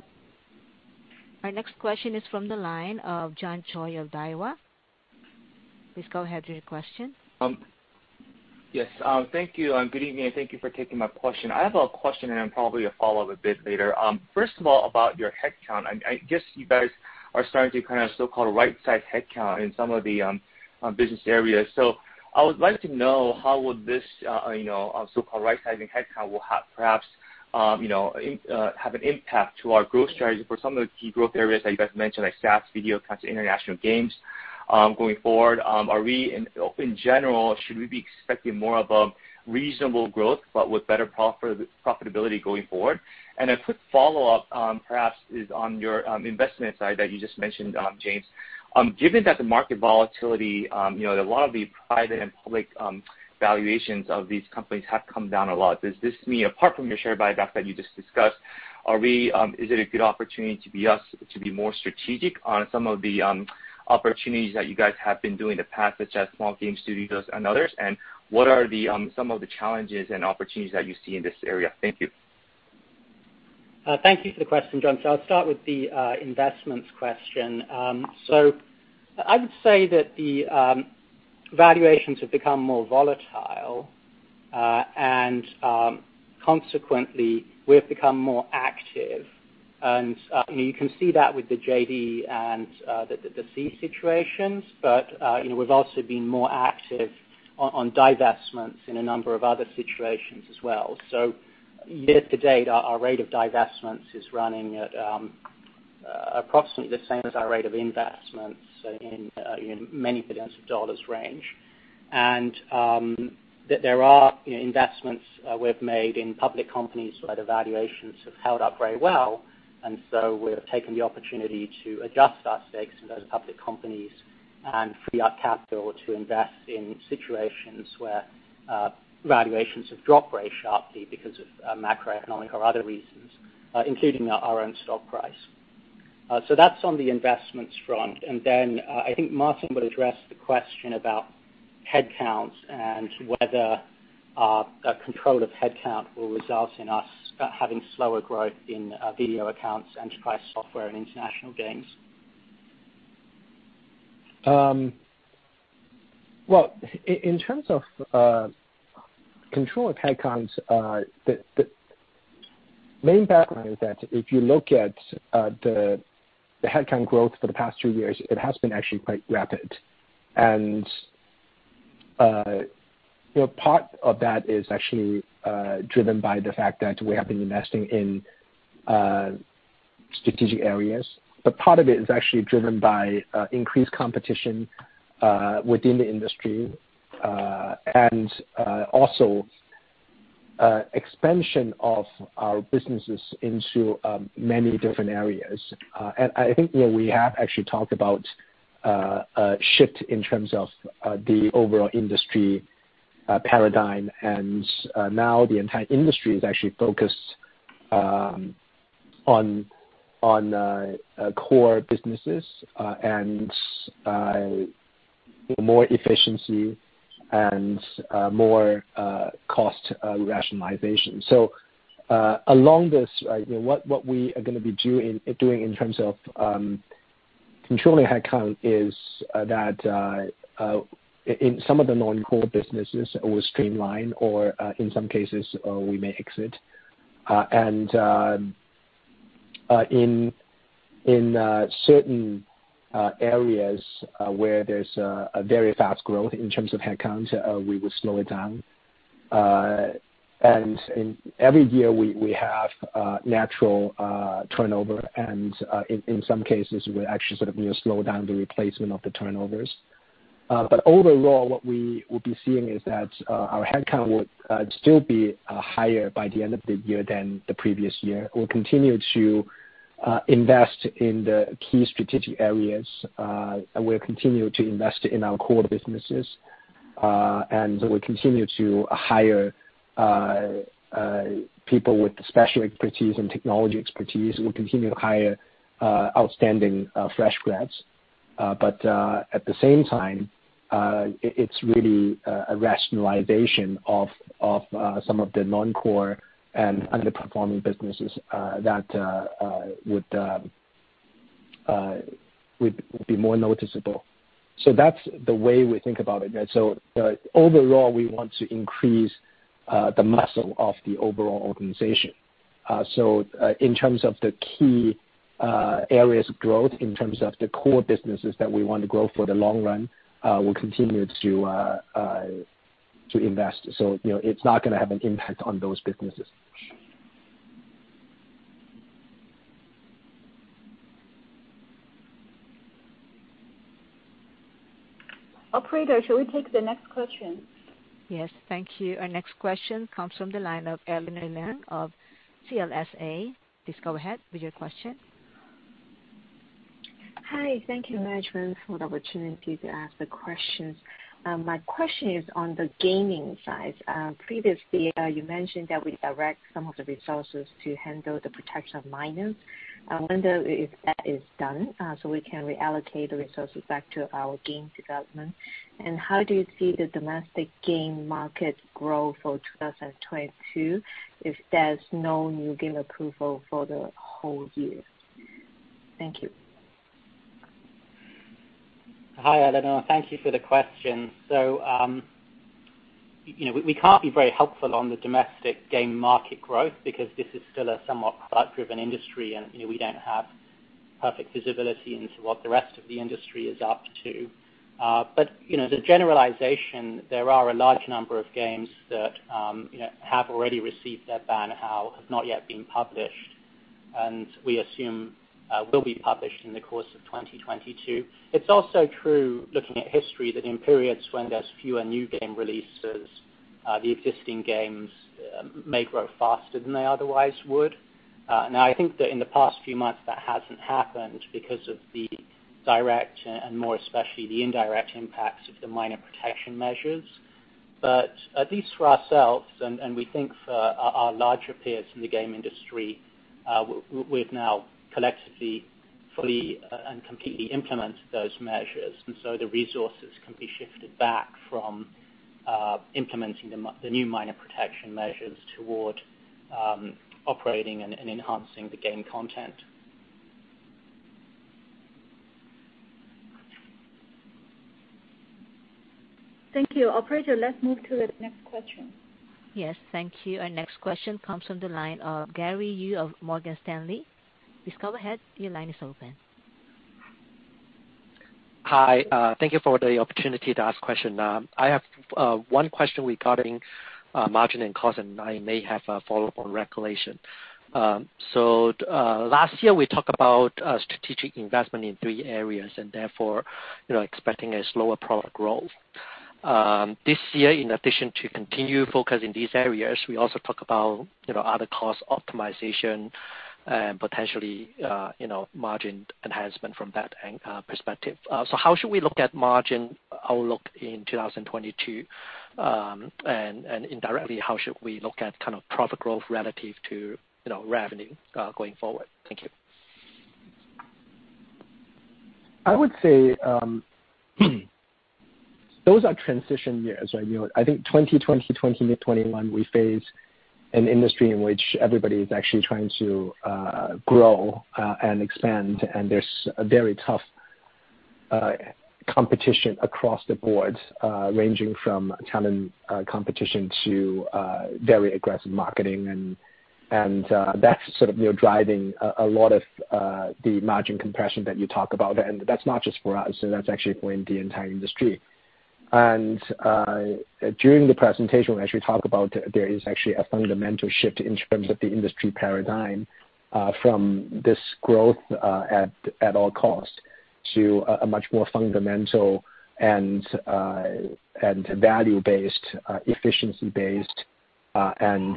Our next question is from the line of John Choi of Daiwa. Please go ahead with your question. Yes, thank you, and good evening, and thank you for taking my question. I have a question and probably a follow-up a bit later. First of all, about your headcount. I guess you guys are starting to kind of so-called right-size headcount in some of the business areas. I would like to know how would this you know have an impact to our growth strategy for some of the key growth areas that you guys mentioned, like SaaS, video, kinds of international games going forward. In general, should we be expecting more of a reasonable growth but with better profitability going forward? A quick follow-up perhaps is on your investment side that you just mentioned, James. Given that the market volatility, you know, a lot of the private and public valuations of these companies have come down a lot, does this mean apart from your share buyback that you just discussed, is it a good opportunity to be more strategic on some of the opportunities that you guys have been doing in the past, such as small game studios and others, and what are some of the challenges and opportunities that you see in this area? Thank you. Thank you for the question, John. I'll start with the investments question. I would say that the valuations have become more volatile and consequently, we've become more active. You know, you can see that with the JD and the Sea situations. You know, we've also been more active on divestments in a number of other situations as well. Year to date, our rate of divestments is running at approximately the same as our rate of investments in you know, many billions of dollars range. There are, you know, investments we've made in public companies where the valuations have held up very well, and so we've taken the opportunity to adjust our stakes in those public companies and free our capital to invest in situations where valuations have dropped very sharply because of macroeconomic or other reasons, including our own stock price. So that's on the investments front. Then, I think Martin will address the question about headcounts and whether a control of headcount will result in us having slower growth in Video Accounts, enterprise software and international games. Well, in terms of control of headcounts, the main background is that if you look at the headcount growth for the past two years, it has been actually quite rapid. You know, part of that is actually driven by the fact that we have been investing in strategic areas. Part of it is actually driven by increased competition within the industry. Also, expansion of our businesses into many different areas. I think, you know, we have actually talked about a shift in terms of the overall industry paradigm and now the entire industry is actually focused on core businesses and more efficiency and more cost rationalization. Along this, you know, what we are gonna be doing in terms of controlling headcount is that in some of the non-core businesses, we'll streamline or in some cases, we may exit. In certain areas where there's a very fast growth in terms of headcounts, we will slow it down. Every year we have natural turnover and in some cases we're actually sort of slow down the replacement of the turnovers. Overall, what we will be seeing is that our headcount would still be higher by the end of the year than the previous year. We'll continue to invest in the key strategic areas, and we'll continue to invest in our core businesses. We'll continue to hire people with special expertise and technology expertise. We'll continue to hire outstanding fresh grads. At the same time, it's really a rationalization of some of the non-core and underperforming businesses that would be more noticeable. That's the way we think about it. Overall, we want to increase the muscle of the overall organization. In terms of the key areas of growth, in terms of the core businesses that we want to grow for the long run, we'll continue to invest. You know, it's not gonna have an impact on those businesses. Operator, shall we take the next question? Yes. Thank you. Our next question comes from the line of Elinor Leung of CLSA. Please go ahead with your question. Hi. Thank you management for the opportunity to ask the questions. My question is on the gaming side. Previous year, you mentioned that we direct some of the resources to handle the protection of minors. When that is done, we can reallocate the resources back to our game development. How do you see the domestic game market grow for 2022 if there's no new game approval for the whole year? Thank you. Hi, Elinor. Thank you for the question. We can't be very helpful on the domestic game market growth because this is still a somewhat product-driven industry and, you know, we don't have perfect visibility into what the rest of the industry is up to. In general, there are a large number of games that have already received their ban hao, have not yet been published, and we assume will be published in the course of 2022. It's also true, looking at history, that in periods when there's fewer new game releases, the existing games may grow faster than they otherwise would. I think that in the past few months, that hasn't happened because of the direct and more especially the indirect impacts of the minors' protection measures. At least for ourselves and we think for our larger peers in the game industry, we've now collectively fully and completely implemented those measures. The resources can be shifted back from implementing the new minor protection measures toward operating and enhancing the game content. Thank you. Operator, let's move to the next question. Yes. Thank you. Our next question comes from the line of Gary Yu of Morgan Stanley. Please go ahead, your line is open. Hi. Thank you for the opportunity to ask question. I have one question regarding margin and cost and I may have a follow-up on regulation. So, last year, we talked about strategic investment in three areas, and therefore, expecting a slower product growth. This year, in addition, to continue focus in these areas, we also talk about other cost optimization, potentially margin enhancement from that perspective. So, how should we look at margin outlook in 2022? And indirectly, how should we look at kind of profit growth relative to revenue going forward? Thank you. I would say, those are transition years. I know, I think 2020, 2021, we faced an industry in which everybody is actually trying to grow and expand, and there's a very tough competition across the board, ranging from talent competition to very aggressive marketing. That's sort of, you know, driving a lot of the margin compression that you talk about. That's not just for us, that's actually for the entire industry. During the presentation, we actually talk about there is actually a fundamental shift in terms of the industry paradigm, from this growth at all costs to a much more fundamental and value-based, efficiency-based, and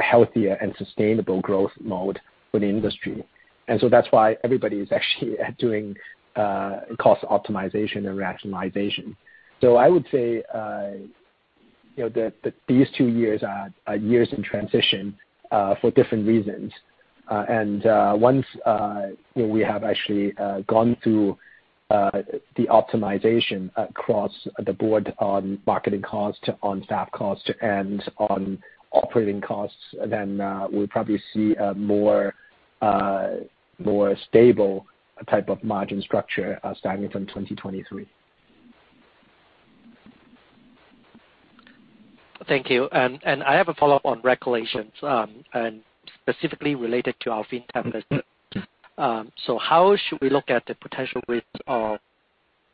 healthier and sustainable growth mode for the industry. That's why everybody is actually doing cost optimization and rationalization. I would say, you know, that these two years are years in transition for different reasons. Once you know, we have actually gone through the optimization across the board on marketing costs, on staff costs, and on operating costs, then we'll probably see a more stable type of margin structure starting from 2023. Thank you. I have a follow-up on regulations, and specifically related to our FinTech business. How should we look at the potential risk of,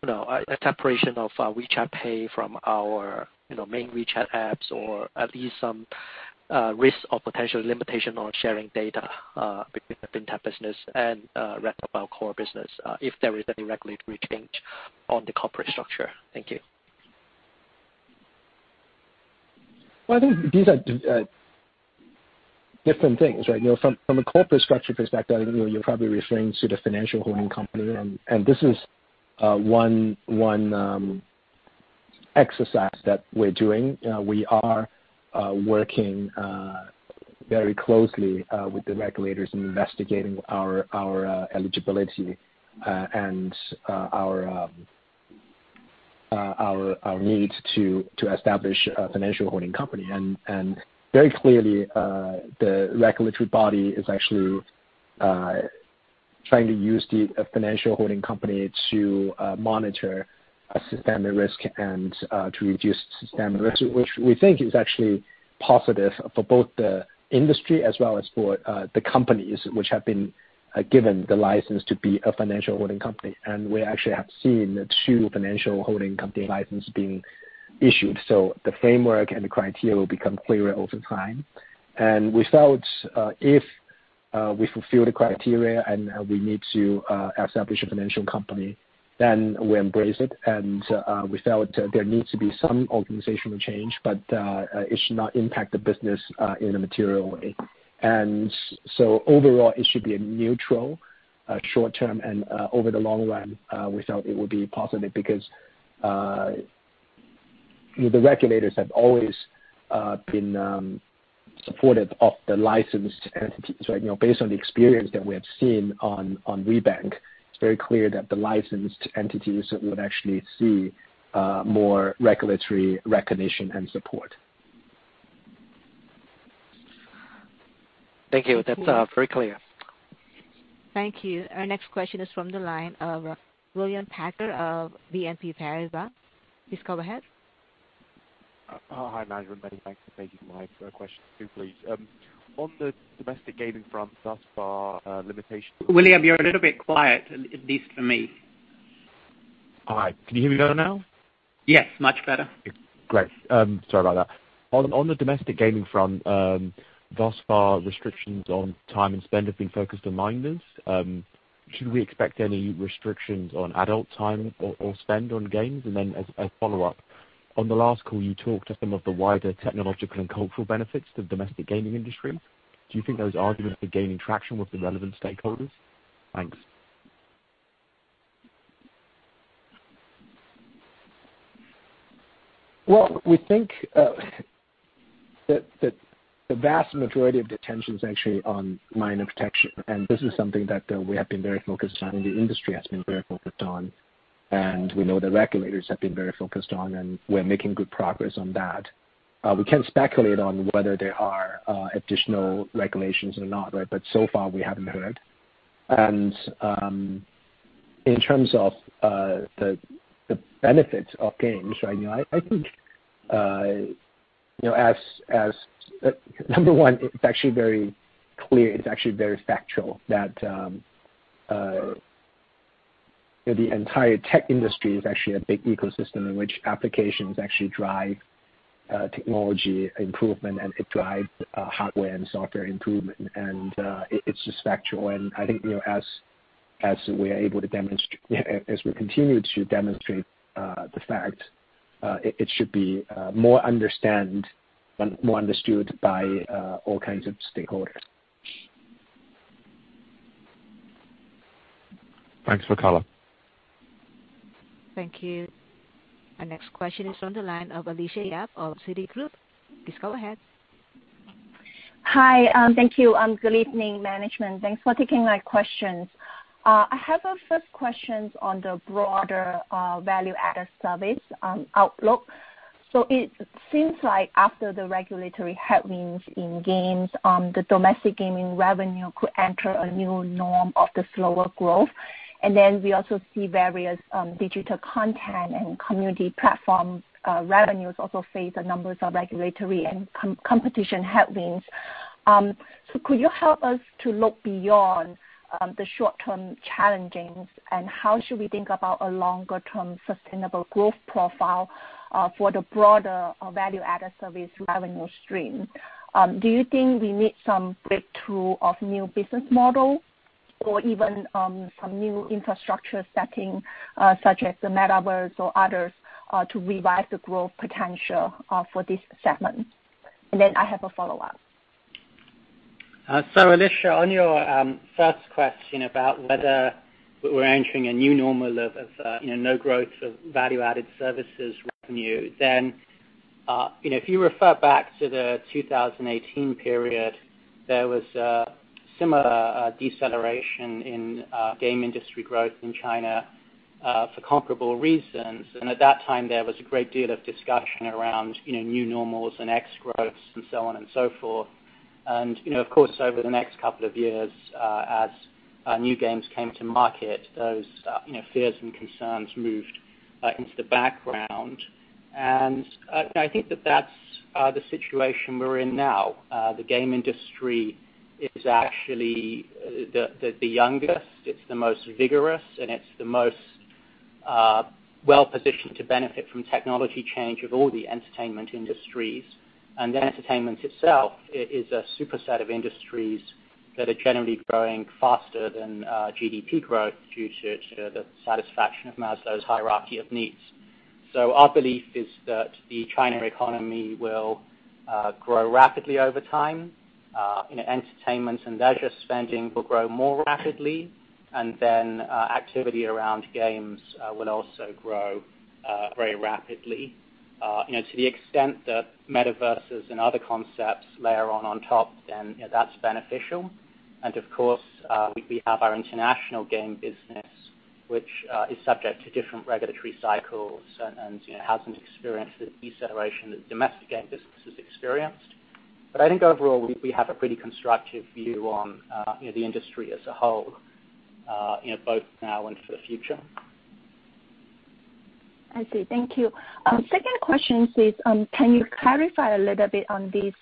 you know, a separation of our WeChat Pay from our, you know, main WeChat apps, or at least some risk or potential limitation on sharing data between the FinTech business and rest of our core business, if there is any regulatory change on the corporate structure? Thank you. Well, I think these are different things, right? You know, from a corporate structure perspective, you're probably referring to the financial holding company. This is one exercise that we're doing. We are working very closely with the regulators in investigating our eligibility and our need to establish a financial holding company. Very clearly, the regulatory body is actually trying to use a financial holding company to monitor a systemic risk and to reduce systemic risk, which we think is actually positive for both the industry as well as for the companies which have been given the license to be a financial holding company. We actually have seen two financial holding company license being issued. The framework and the criteria will become clearer over time. We felt if we fulfill the criteria and we need to establish a financial company, then we embrace it. We felt there needs to be some organizational change, but it should not impact the business in a material way. Overall, it should be a neutral short-term, and over the long run, we felt it would be positive because the regulators have always been supportive of the licensed entities, right? You know, based on the experience that we have seen on WeBank, it's very clear that the licensed entities would actually see more regulatory recognition and support. Thank you. That's very clear. Thank you. Our next question is from the line of William Packer of BNP Paribas. Please go ahead. Hi, manager. Many thanks for taking my questions too, please. On the domestic gaming front, thus far, limitation- William, you're a little bit quiet, at least for me. All right. Can you hear me better now? Yes, much better. Great. Sorry about that. On the domestic gaming front, thus far, restrictions on time and spend have been focused on minors. Should we expect any restrictions on adult time or spend on games? Then as a follow-up, on the last call, you talked of some of the wider technological and cultural benefits to the domestic gaming industry. Do you think those arguments are gaining traction with the relevant stakeholders? Thanks. Well, we think that the vast majority of the attention is actually on minors protection, and this is something that we have been very focused on and the industry has been very focused on, and we know the regulators have been very focused on, and we're making good progress on that. We can't speculate on whether there are additional regulations or not, right? So far, we haven't heard. In terms of the benefits of games, right? You know, I think you know, number one, it's actually very clear, it's actually very factual that you know, the entire tech industry is actually a big ecosystem in which applications actually drive technology improvement, and it drives hardware and software improvement. It's just factual. I think, you know, as we continue to demonstrate the fact it should be more understood by all kinds of stakeholders. Thanks for color. Thank you. Our next question is from the line of Alicia Yap of Citigroup. Please go ahead. Hi. Thank you. Good evening, management. Thanks for taking my questions. I have a first question on the broader value-added service outlook. It seems like after the regulatory headwinds in games, the domestic gaming revenue could enter a new norm of slower growth. Then we also see various digital content and community platform revenues also face a number of regulatory and competition headwinds. Could you help us to look beyond the short-term challenges and how should we think about a longer-term sustainable growth profile for the broader value-added service revenue stream? Do you think we need some breakthrough of new business model or even some new infrastructure setting, such as the Metaverse or others, to revise the growth potential for this segment? I have a follow-up. Alicia, on your first question about whether we're entering a new normal of, you know, no growth of value-added services revenue, you know, if you refer back to the 2018 period, there was a similar deceleration in game industry growth in China for comparable reasons. At that time, there was a great deal of discussion around, you know, new normals and ex-growths and so on and so forth. You know, of course, over the next couple of years, as new games came to market, those, you know, fears and concerns moved into the background. I think that that's the situation we're in now. The game industry is actually the youngest, it's the most vigorous, and it's the most well-positioned to benefit from technology change of all the entertainment industries. Entertainment itself is a superset of industries that are generally growing faster than GDP growth due to the satisfaction of Maslow's hierarchy of needs. Our belief is that the China economy will grow rapidly over time. You know, entertainment and leisure spending will grow more rapidly, and then activity around games will also grow very rapidly. You know, to the extent that metaverses and other concepts layer on top, that's beneficial. Of course, we have our international game business, which is subject to different regulatory cycles and hasn't experienced the deceleration that domestic game business has experienced. I think overall we have a pretty constructive view on, you know, the industry as a whole, you know, both now and for the future. I see. Thank you. Second question is, can you clarify a little bit on this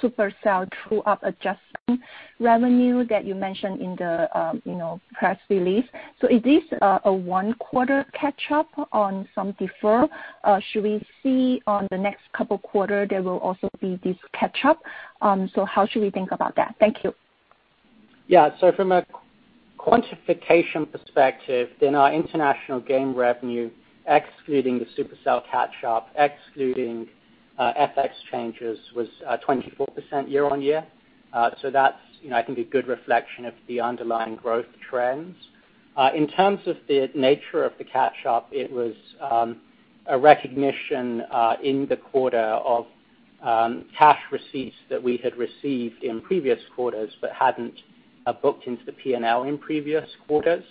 Supercell true-up adjustment revenue that you mentioned in the, you know, press release? Is this a one quarter catch-up on some deferral? Should we see on the next couple of quarters there will also be this catch up? How should we think about that? Thank you. From a quantification perspective, in our international game revenue, excluding the Supercell catch-up, excluding FX changes, was 24% year-on-year. That's, you know, I think a good reflection of the underlying growth trends. In terms of the nature of the catch-up, it was a recognition in the quarter of cash receipts that we had received in previous quarters but hadn't booked into the P&L in previous quarters.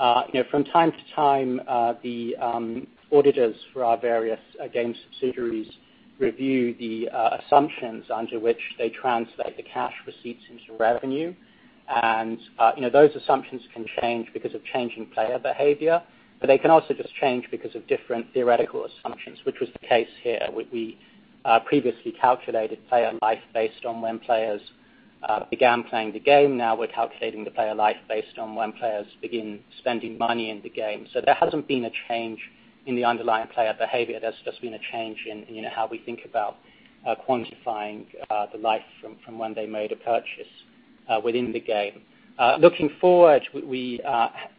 You know, from time to time, the auditors for our various game subsidiaries review the assumptions under which they translate the cash receipts into revenue. Those assumptions can change because of changing player behavior, but they can also just change because of different theoretical assumptions, which was the case here. We previously calculated player life based on when players began playing the game. Now we're calculating the player life based on when players begin spending money in the game. There hasn't been a change in the underlying player behavior. There's just been a change in, you know, how we think about quantifying the life from when they made a purchase within the game. Looking forward, we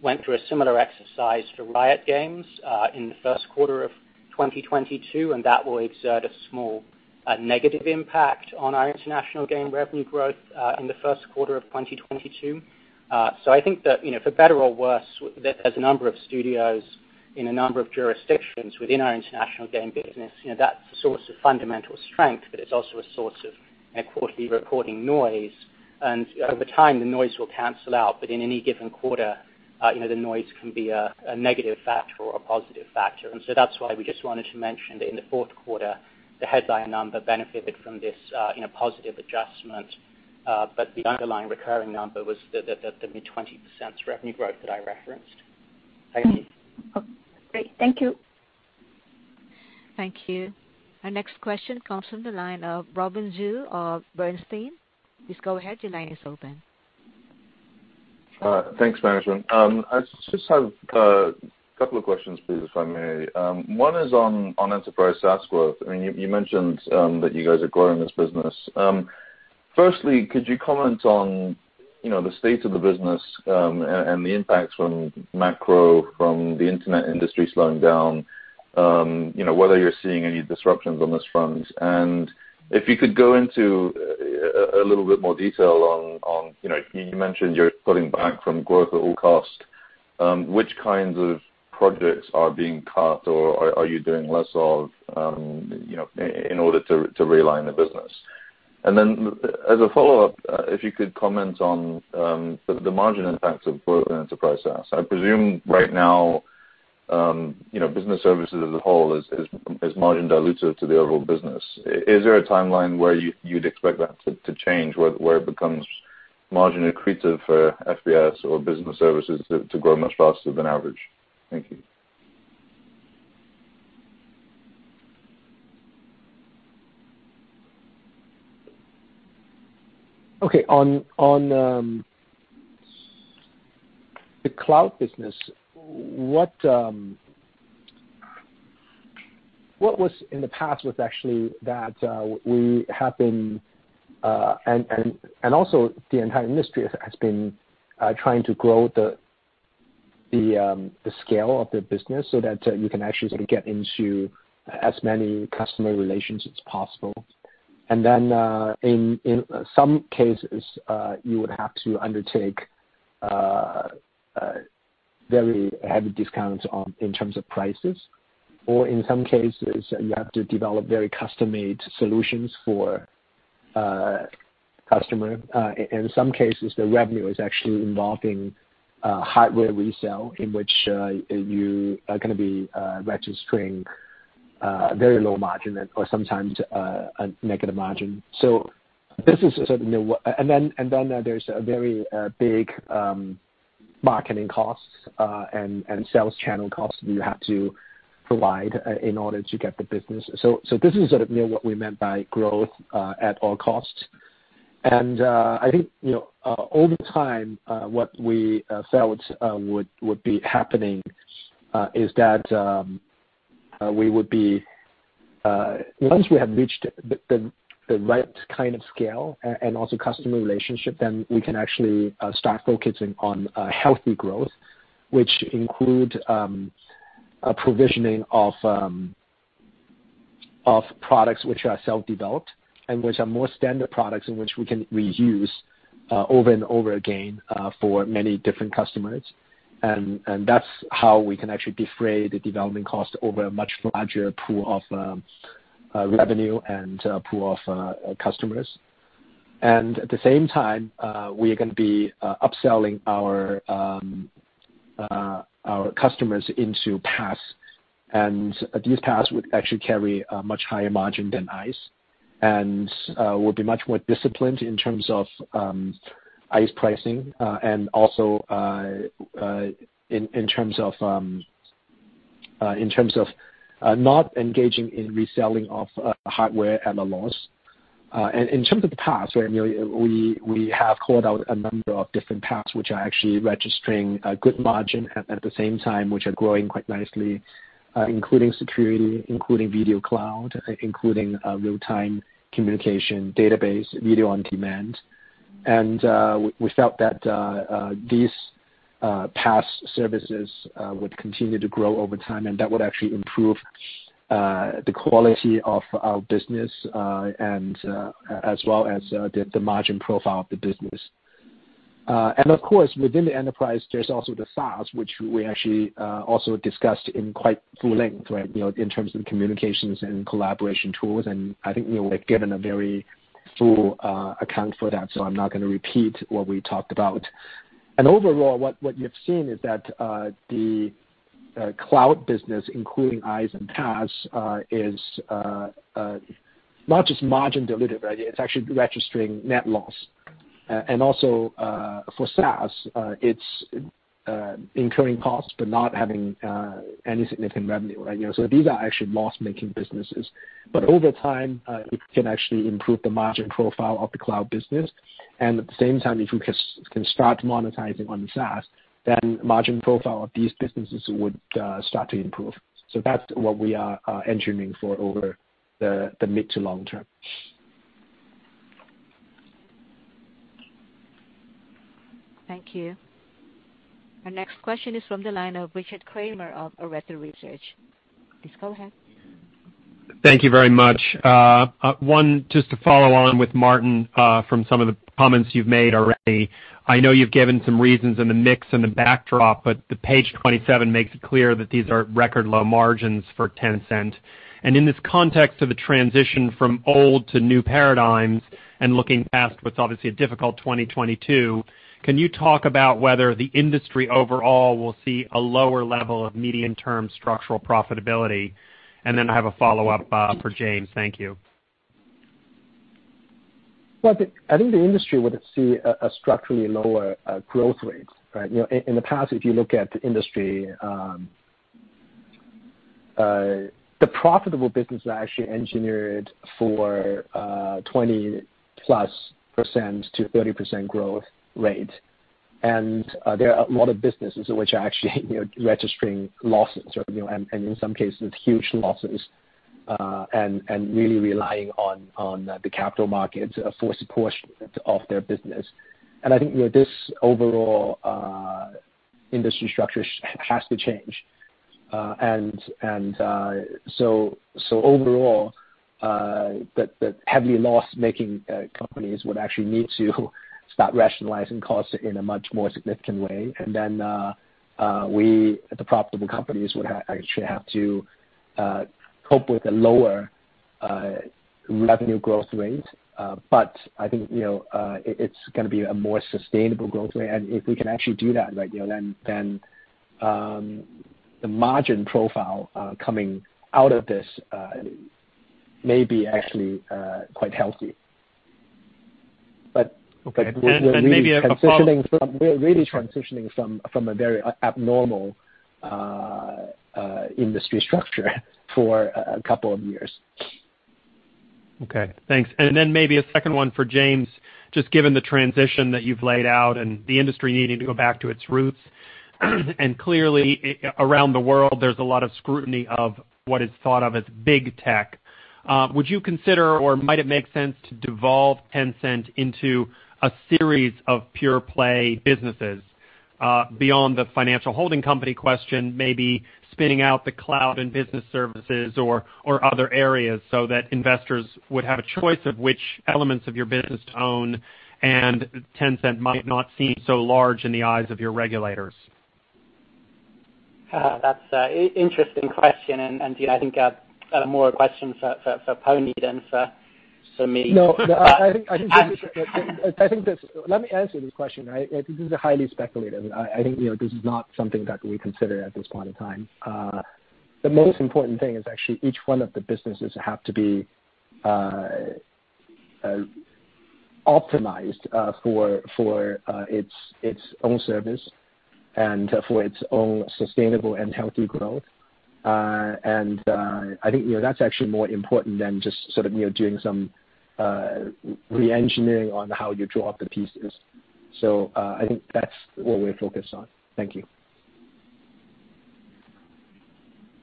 went through a similar exercise for Riot Games in the first quarter of 2022, and that will exert a small negative impact on our international game revenue growth in the first quarter of 2022. I think that, you know, for better or worse, there's a number of studios in a number of jurisdictions within our international game business, you know, that's a source of fundamental strength, but it's also a source of a quarterly recording noise. Over time, the noise will cancel out, but in any given quarter, you know, the noise can be a negative factor or a positive factor. That's why we just wanted to mention that in the fourth quarter, the headline number benefited from this, you know, positive adjustment. The underlying recurring number was the mid-20% revenue growth that I referenced. Thank you. Okay. Great. Thank you. Thank you. Our next question comes from the line of Robin Zhu of Bernstein. Please go ahead. Your line is open. Thanks, management. I just have a couple of questions, please, if I may. One is on enterprise SaaS growth. I mean, you mentioned that you guys are growing this business. Firstly, could you comment on, you know, the state of the business, and the impacts from macro, from the internet industry slowing down, you know, whether you're seeing any disruptions on this front? If you could go into a little bit more detail on, you know, you mentioned you're pulling back from growth at all cost. Which kinds of projects are being cut or are you doing less of, you know, in order to realign the business? As a follow-up, if you could comment on the margin impact of growth in enterprise SaaS. I presume right now, you know, business services as a whole is margin dilutive to the overall business. Is there a timeline where you you'd expect that to change, where it becomes margin accretive for FBS or business services to grow much faster than average? Thank you. Okay. On the cloud business, what was in the past was actually that we have been, and also the entire industry has been trying to grow the scale of the business so that you can actually sort of get into as many customer relations as possible. In some cases, you would have to undertake very heavy discounts in terms of prices, or in some cases you have to develop very custom-made solutions for customer. In some cases, the revenue is actually involving hardware resale in which you are gonna be registering very low margin or sometimes a negative margin. This is sort of, you know, what. There's a very big marketing costs and sales channel costs you have to provide in order to get the business. This is sort of, you know, what we meant by growth at all costs. I think, you know, over time, what we felt would be happening is that once we have reached the right kind of scale and also customer relationship, then we can actually start focusing on healthy growth, which include a provisioning of products which are self-developed and which are more standard products in which we can reuse over and over again for many different customers. That's how we can actually defray the development cost over a much larger pool of revenue and a pool of customers. At the same time, we are gonna be upselling our customers into PaaS. These PaaS would actually carry a much higher margin than IaaS, and we'll be much more disciplined in terms of IaaS pricing, and also in terms of not engaging in reselling of hardware at a loss. In terms of the PaaS, right, you know, we have called out a number of different paths which are actually registering a good margin at the same time, which are growing quite nicely, including security, including video cloud, including real-time communication database, video on demand. We felt that these PaaS services would continue to grow over time, and that would actually improve the quality of our business and as well as the margin profile of the business. Of course, within the enterprise, there's also the SaaS, which we actually also discussed in quite full length, right, you know, in terms of communications and collaboration tools, and I think we were given a very full account for that, so I'm not gonna repeat what we talked about. Overall what you've seen is that the cloud business, including IaaS and PaaS, is not just margin dilutive, right? It's actually registering net loss. Also, for SaaS, it's incurring costs but not having any significant revenue, right? You know, these are actually loss-making businesses. Over time, it can actually improve the margin profile of the cloud business. At the same time, if we can start monetizing on the SaaS, then margin profile of these businesses would start to improve. That's what we are engineering for over the mid to long-term. Thank you. Our next question is from the line of Richard Kramer of Arete Research. Please go ahead. Thank you very much. One, just to follow on with Martin, from some of the comments you've made already. I know you've given some reasons in the mix and the backdrop, but the page 27 makes it clear that these are record low margins for Tencent. In this context of a transition from old to new paradigms and looking past what's obviously a difficult 2022, can you talk about whether the industry overall will see a lower level of medium-term structural profitability? Then I have a follow-up, for James. Thank you. Well, I think the industry would see a structurally lower growth rate, right? You know, in the past, if you look at the industry, the profitable businesses are actually engineered for 20%+ to 30% growth rate. There are a lot of businesses which are actually, you know, registering losses or, you know, and in some cases, huge losses and really relying on the capital markets for support of their business. I think, you know, this overall industry structure has to change. Overall, the heavily loss-making companies would actually need to start rationalizing costs in a much more significant way. The profitable companies would actually have to cope with the lower revenue growth rate. I think, you know, it's gonna be a more sustainable growth rate. If we can actually do that, right, you know, then the margin profile coming out of this may be actually quite healthy. We're really transitioning from a very abnormal industry structure for a couple of years. Okay. Thanks. Maybe a second one for James. Just given the transition that you've laid out and the industry needing to go back to its roots, and clearly around the world, there's a lot of scrutiny of what is thought of as big tech. Would you consider or might it make sense to devolve Tencent into a series of pure play businesses, beyond the financial holding company question, maybe spinning out the cloud and business services or other areas so that investors would have a choice of which elements of your business to own and Tencent might not seem so large in the eyes of your regulators? That's an interesting question. You know, I think more a question for Pony than for me. No. I think this. Let me answer this question, right? This is highly speculative. I think, you know, this is not something that we consider at this point in time. The most important thing is actually each one of the businesses have to be optimized for its own service and for its own sustainable and healthy growth. I think, you know, that's actually more important than just sort of, you know, doing some re-engineering on how you draw up the pieces. I think that's what we're focused on. Thank you.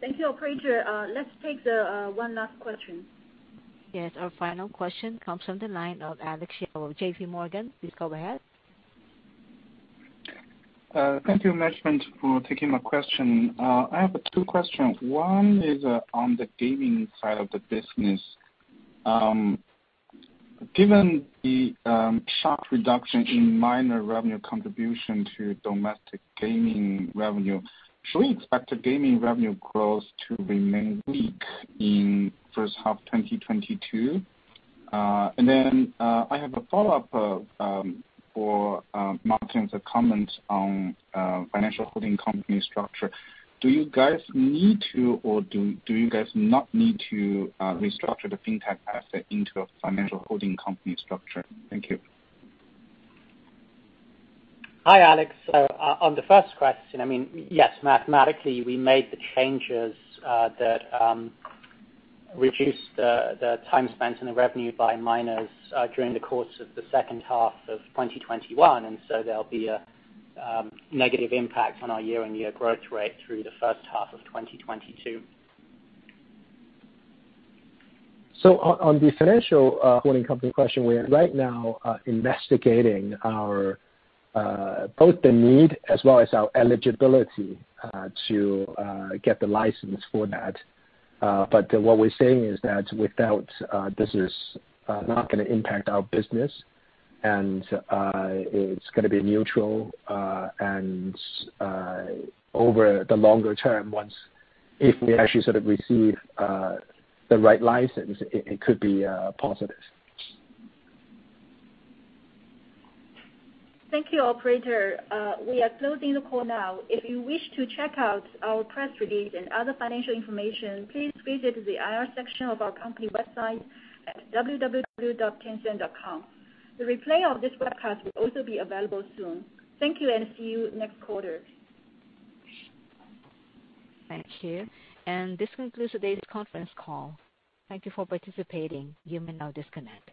Thank you. Operator, let's take the one last question. Yes. Our final question comes from the line of Alex Yao of JPMorgan. Please go ahead. Thank you management for taking my question. I have two questions. One is on the gaming side of the business. Given the sharp reduction in minor revenue contribution to domestic gaming revenue, should we expect the gaming revenue growth to remain weak in first half 2022? I have a follow-up for Martin's comment on financial holding company structure. Do you guys need to, or do you guys not need to, restructure the fintech asset into a financial holding company structure? Thank you. Hi, Alex. On the first question, I mean, yes, mathematically, we made the changes that reduced the time spent in the revenue deferral during the course of the second half of 2021, and so there'll be a negative impact on our year-on-year growth rate through the first half of 2022. On the financial holding company question, we are right now investigating both the need as well as our eligibility to get the license for that. What we're saying is that without this, it's not gonna impact our business and it's gonna be neutral. Over the longer term, once, if we actually sort of receive the right license, it could be positive. Thank you, operator. We are closing the call now. If you wish to check out our press release and other financial information, please visit the IR section of our company website at www.tencent.com. The replay of this webcast will also be available soon. Thank you and see you next quarter. Thank you. This concludes today's conference call. Thank you for participating. You may now disconnect.